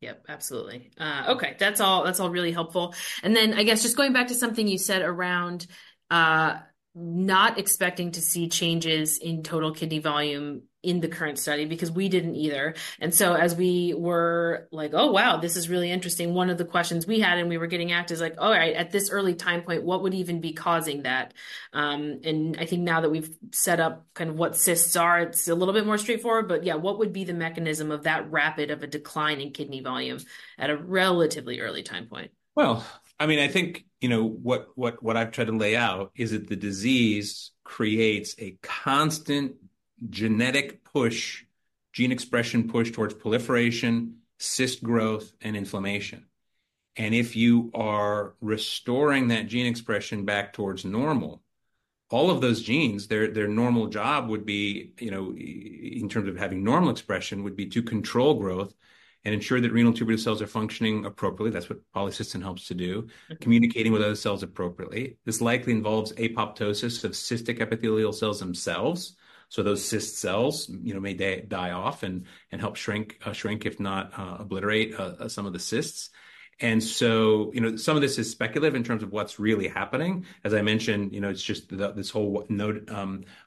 Yep, absolutely. Okay, that's all, that's all really helpful. And then, I guess just going back to something you said around not expecting to see changes in total kidney volume in the current study, because we didn't either. And so as we were like: "Oh, wow, this is really interesting," one of the questions we had, and we were getting at, is like, "All right, at this early time point, what would even be causing that?" And I think now that we've set up kind of what cysts are, it's a little bit more straightforward, but yeah, what would be the mechanism of that rapid of a decline in kidney volume at a relatively early time point? Well, I mean, I think, you know, what I've tried to lay out is that the disease creates a constant genetic push, gene expression push towards proliferation, cyst growth, and inflammation. And if you are restoring that gene expression back towards normal, all of those genes, their normal job would be, you know, in terms of having normal expression, to control growth and ensure that renal tubular cells are functioning appropriately. That's what polycystin helps to do. Mm. Communicating with other cells appropriately. This likely involves apoptosis of cystic epithelial cells themselves, so those cyst cells, you know, may die off and help shrink, shrink, if not obliterate, some of the cysts. And so, you know, some of this is speculative in terms of what's really happening. As I mentioned, you know, it's just that this whole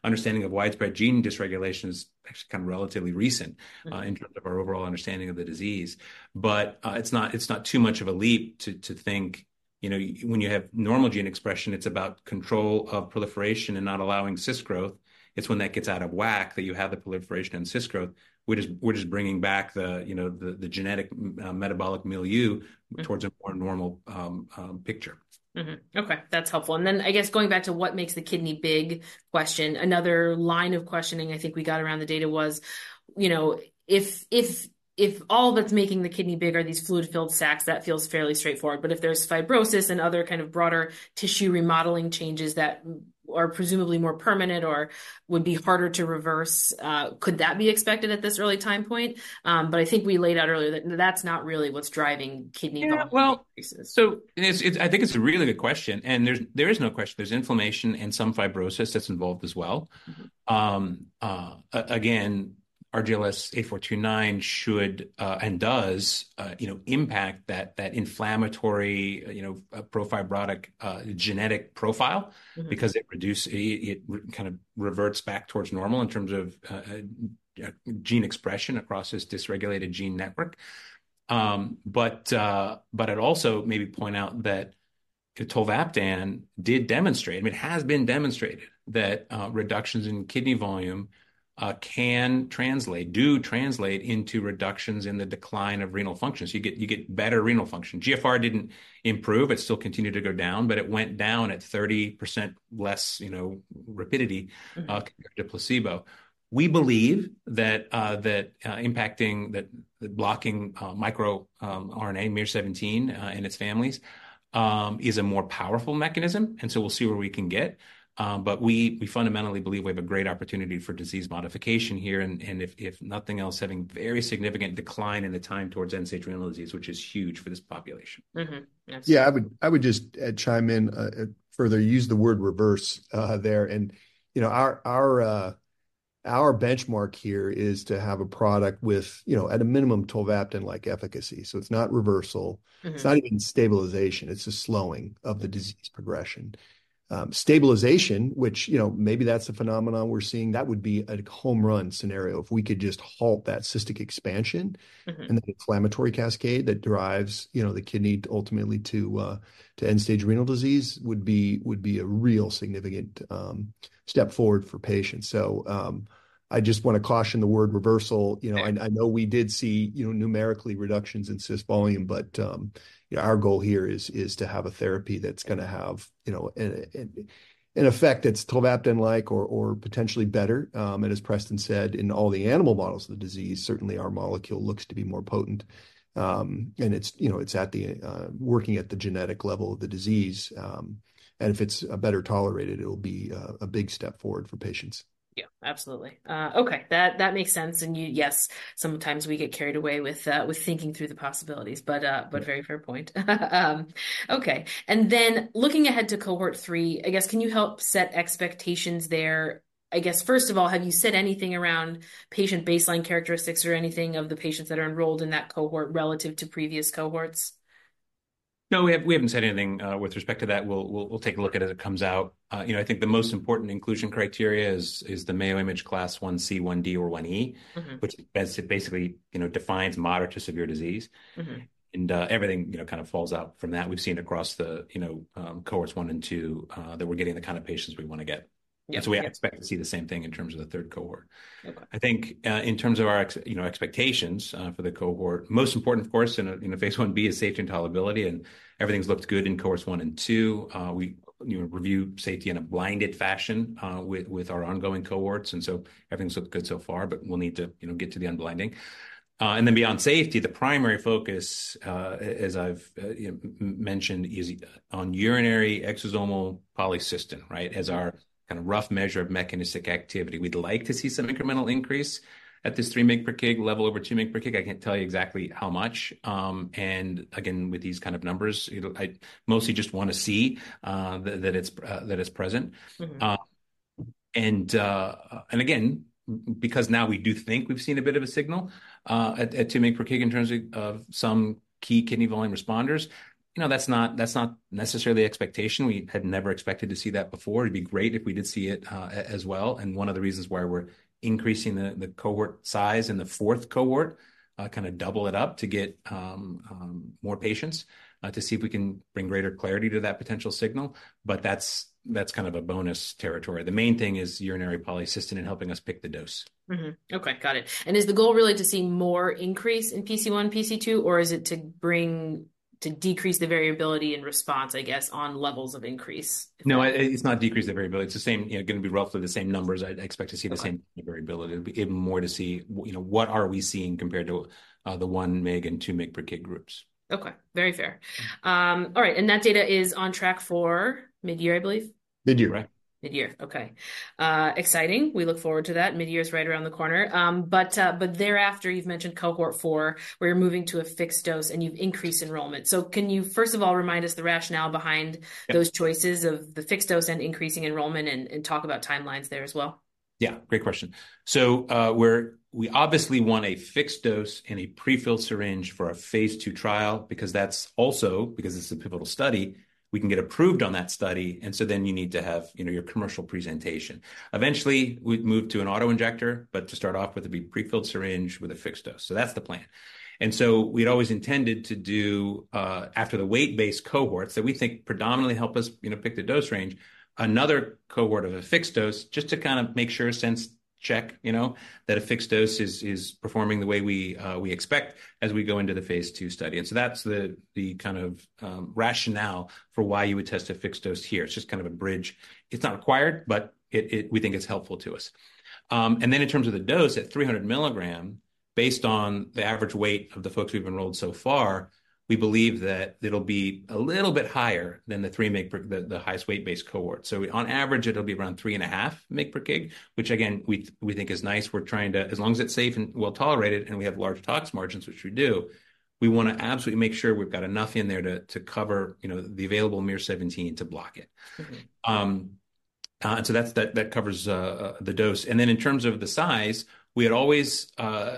understanding of widespread gene dysregulation is actually kind of relatively recent- Mm... in terms of our overall understanding of the disease. But, it's not too much of a leap to think—you know, when you have normal gene expression, it's about control of proliferation and not allowing cyst growth. It's when that gets out of whack that you have the proliferation and cyst growth. We're just bringing back the, you know, the genetic metabolic milieu- Mm-hmm - towards a more normal picture. Mm-hmm. Okay, that's helpful. And then, I guess, going back to what makes the kidney big question, another line of questioning I think we got around the data was, you know, if, if, if all that's making the kidney big are these fluid-filled sacs, that feels fairly straightforward. But if there's fibrosis and other kind of broader tissue remodeling changes that are presumably more permanent or would be harder to reverse, could that be expected at this early time point? But I think we laid out earlier that that's not really what's driving kidney- Yeah, well- - Volume increases. It's a really good question, and there is no question there's inflammation and some fibrosis that's involved as well. Mm-hmm. Again, RGLS8429 should and does, you know, impact that, that inflammatory, you know, pro-fibrotic genetic profile- Mm-hmm because it kind of reverts back towards normal in terms of gene expression across this dysregulated gene network. But I'd also maybe point out that tolvaptan did demonstrate, I mean, it has been demonstrated, that reductions in kidney volume can translate, do translate into reductions in the decline of renal function. So you get better renal function. GFR didn't improve. It still continued to go down, but it went down at 30% less, you know, rapidity- Mm-hmm... compared to placebo. We believe that blocking microRNA miR-17 and its families is a more powerful mechanism, and so we'll see where we can get. But we fundamentally believe we have a great opportunity for disease modification here, and if nothing else, having very significant decline in the time towards end-stage renal disease, which is huge for this population. Mm-hmm. Yes. Yeah, I would just chime in further. You used the word "reverse," there, and, you know, our benchmark here is to have a product with, you know, at a minimum, tolvaptan-like efficacy. So it's not reversal. Mm-hmm. It's not even stabilization. It's a slowing of the disease progression. Stabilization, which, you know, maybe that's the phenomenon we're seeing, that would be a home run scenario. If we could just halt that cystic expansion- Mm-hmm... and the inflammatory cascade that drives, you know, the kidney ultimately to end-stage renal disease would be a real significant step forward for patients. So, I just want to caution the word "reversal. Yeah. You know, I know we did see, you know, numerically, reductions in cyst volume, but our goal here is to have a therapy that's gonna have, you know... an effect that's tolvaptan-like or potentially better. And as Preston said, in all the animal models of the disease, certainly our molecule looks to be more potent. And it's, you know, it's working at the genetic level of the disease. And if it's better tolerated, it'll be a big step forward for patients. Yeah, absolutely. Okay, that makes sense, and you... Yes, sometimes we get carried away with thinking through the possibilities, but... Yeah... but very fair point. Okay. And then, looking ahead to cohort 3, I guess, can you help set expectations there? I guess, first of all, have you said anything around patient baseline characteristics or anything of the patients that are enrolled in that cohort relative to previous cohorts? No, we haven't, we haven't said anything, with respect to that. We'll, we'll, we'll take a look at it as it comes out. You know, I think the most important inclusion criteria is the Mayo Imaging Class 1C, 1D, or 1E- Mm-hmm... which, as it basically, you know, defines moderate to severe disease. Mm-hmm. Everything, you know, kind of falls out from that. We've seen across the, you know, cohorts 1 and 2, that we're getting the kind of patients we wanna get. Yeah. We expect to see the same thing in terms of the third cohort. Okay. I think, in terms of our expectations, you know, for the cohort, most important, of course, in a phase IIb is safety and tolerability, and everything's looked good in cohorts 1 and 2. We, you know, review safety in a blinded fashion, with our ongoing cohorts, and so everything's looked good so far, but we'll need to, you know, get to the unblinding. And then beyond safety, the primary focus, as I've, you know, mentioned, is on urinary exosomal polycystin, right? Mm-hmm. As our kind of rough measure of mechanistic activity. We'd like to see some incremental increase at this 3 mg/kg level over 2 mg/kg. I can't tell you exactly how much. And again, with these kind of numbers, you know, I mostly just wanna see that it's present. Mm-hmm. And, and again, because now we do think we've seen a bit of a signal, at 2 mg/kg in terms of some key kidney volume responders, you know, that's not, that's not necessarily expectation. We had never expected to see that before. It'd be great if we did see it, as well, and one of the reasons why we're increasing the cohort size in the fourth cohort, kind of double it up to get more patients, to see if we can bring greater clarity to that potential signal, but that's, that's kind of a bonus territory. The main thing is urinary polycystin and helping us pick the dose. Mm-hmm. Okay, got it. And is the goal really to see more increase in PC1, PC2, or is it to bring... to decrease the variability in response, I guess, on levels of increase? No, it's not decrease the variability. It's the same, you know, gonna be roughly the same numbers. I'd expect to see- Okay... the same variability, and even more to see, you know, what are we seeing compared to the 1 mg and 2 mg/kg groups? Okay, very fair. All right, and that data is on track for mid-year, I believe? Mid-year, right. Mid-year, okay. Exciting, we look forward to that. Mid-year is right around the corner. But thereafter, you've mentioned cohort four, where you're moving to a fixed dose, and you've increased enrollment. So can you, first of all, remind us the rationale behind- Yeah... those choices of the fixed dose and increasing enrollment, and talk about timelines there as well? Yeah, great question. So, we obviously want a fixed dose and a pre-filled syringe for our phase II trial because that's also because this is a pivotal study we can get approved on that study, and so then you need to have, you know, your commercial presentation. Eventually, we'd move to an auto-injector, but to start off with it'd be pre-filled syringe with a fixed dose. So that's the plan. And so we'd always intended to do, after the weight-based cohorts that we think predominantly help us, you know, pick the dose range, another cohort of a fixed dose, just to kind of make sure, sense-check, you know, that a fixed dose is performing the way we expect as we go into the phase II study. And so that's the kind of rationale for why you would test a fixed dose here. It's just kind of a bridge. It's not required, but it, we think it's helpful to us. And then in terms of the dose, at 300 mg, based on the average weight of the folks we've enrolled so far, we believe that it'll be a little bit higher than the 3 mg/kg the highest weight-based cohort. So on average, it'll be around 3.5 mg/kg, which again, we think is nice. We're trying to... As long as it's safe and well-tolerated, and we have large tox margins, which we do, we wanna absolutely make sure we've got enough in there to cover, you know, the available miR-17 to block it. Mm-hmm. and so that's that covers the dose. And then in terms of the size, we had always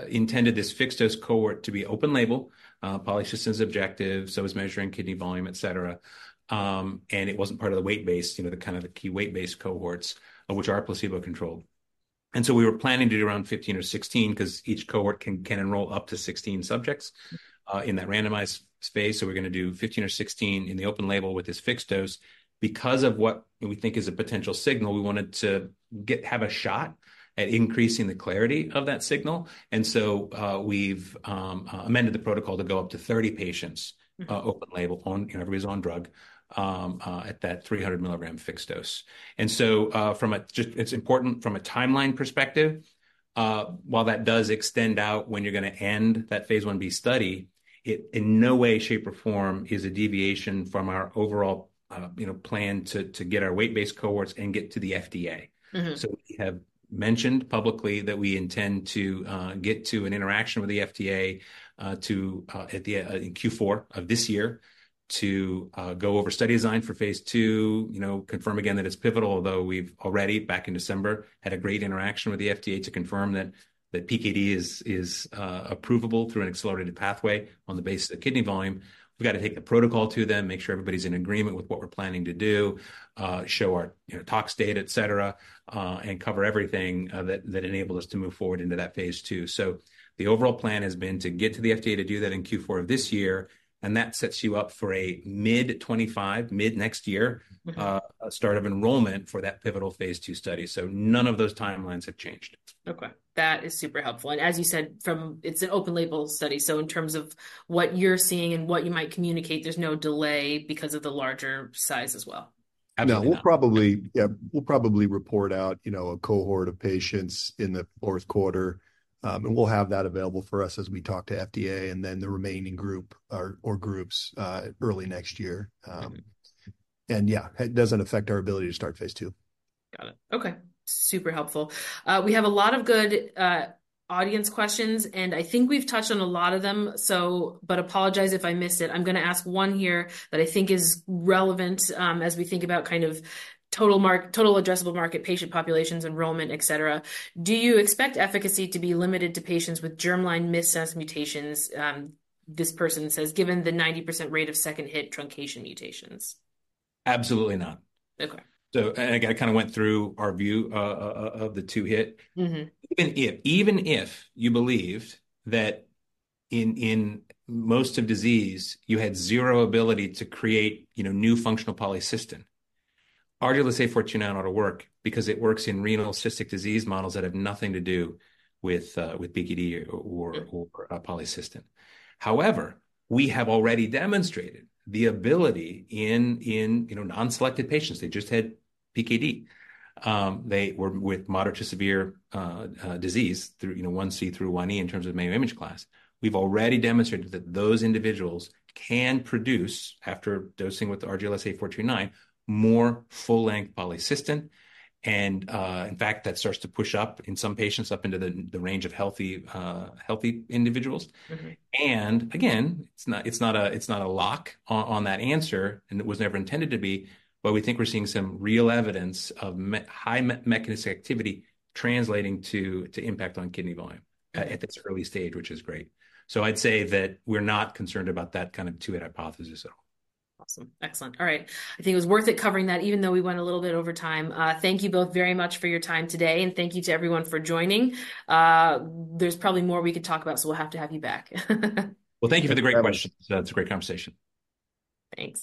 intended this fixed-dose cohort to be open label, polycystin as objective, so was measuring kidney volume, et cetera. And it wasn't part of the weight-based, you know, the kind of the key weight-based cohorts, which are placebo-controlled. And so we were planning to do around 15 or 16, 'cause each cohort can enroll up to 16 subjects- Mm. - in that randomized space. So we're gonna do 15 or 16 in the open label with this fixed dose. Because of what we think is a potential signal, we wanted to have a shot at increasing the clarity of that signal. And so, we've amended the protocol to go up to 30 patients- Mm. Open label on, you know, everybody's on drug, at that 300 mg fixed dose. And so, from a just... It's important from a timeline perspective. While that does extend out when you're gonna end that phase Ib study, it in no way, shape, or form is a deviation from our overall, you know, plan to, to get our weight-based cohorts and get to the FDA. Mm-hmm. So we have mentioned publicly that we intend to get to an interaction with the FDA in Q4 of this year to go over study design for phase II, you know, confirm again that it's pivotal, although we've already, back in December, had a great interaction with the FDA to confirm that PKD is approvable through an accelerated pathway on the basis of kidney volume. We've gotta take the protocol to them, make sure everybody's in agreement with what we're planning to do, show our, you know, tox data, et cetera, and cover everything that enables us to move forward into that phase II. So the overall plan has been to get to the FDA to do that in Q4 of this year, and that sets you up for a mid-2025, mid-next year- Mm-hmm... start of enrollment for that pivotal phase II study. So none of those timelines have changed. Okay, that is super helpful. And as you said, it's an open-label study, so in terms of what you're seeing and what you might communicate, there's no delay because of the larger size as well? Absolutely not. No, we'll probably, yeah, we'll probably report out, you know, a cohort of patients in the fourth quarter. We'll have that available for us as we talk to FDA and then the remaining group or groups early next year. Mm-hmm. Yeah, it doesn't affect our ability to start phase II. Got it. Okay, super helpful. We have a lot of good audience questions, and I think we've touched on a lot of them, so... But apologize if I missed it. I'm gonna ask one here that I think is relevant, as we think about kind of total addressable market, patient populations, enrollment, et cetera. "Do you expect efficacy to be limited to patients with germline missense mutations?" This person says: "Given the 90% rate of second hit truncation mutations? Absolutely not. Okay. Again, I kind of went through our view of the two-hit. Mm-hmm. Even if you believed that in most of disease you had zero ability to create, you know, new functional polycystin, RGLS8429 ought to work because it works in renal cystic disease models that have nothing to do with PKD or- Yeah... or, polycystin. However, we have already demonstrated the ability in, you know, non-selected patients, they just had PKD, they were with moderate to severe disease through, you know, 1C through 1E in terms of Mayo Imaging Class. We've already demonstrated that those individuals can produce, after dosing with the RGLS8429, more full-length polycystin. And, in fact, that starts to push up, in some patients, up into the range of healthy individuals. Mm-hmm. And again, it's not a lock on that answer, and it was never intended to be, but we think we're seeing some real evidence of miR-high mechanistic activity translating to impact on kidney volume at this early stage, which is great. So I'd say that we're not concerned about that kind of two-hit hypothesis at all. Awesome. Excellent. All right. I think it was worth it covering that, even though we went a little bit over time. Thank you both very much for your time today, and thank you to everyone for joining. There's probably more we could talk about, so we'll have to have you back. Well, thank you for the great questions. Thanks. It's a great conversation. Thanks.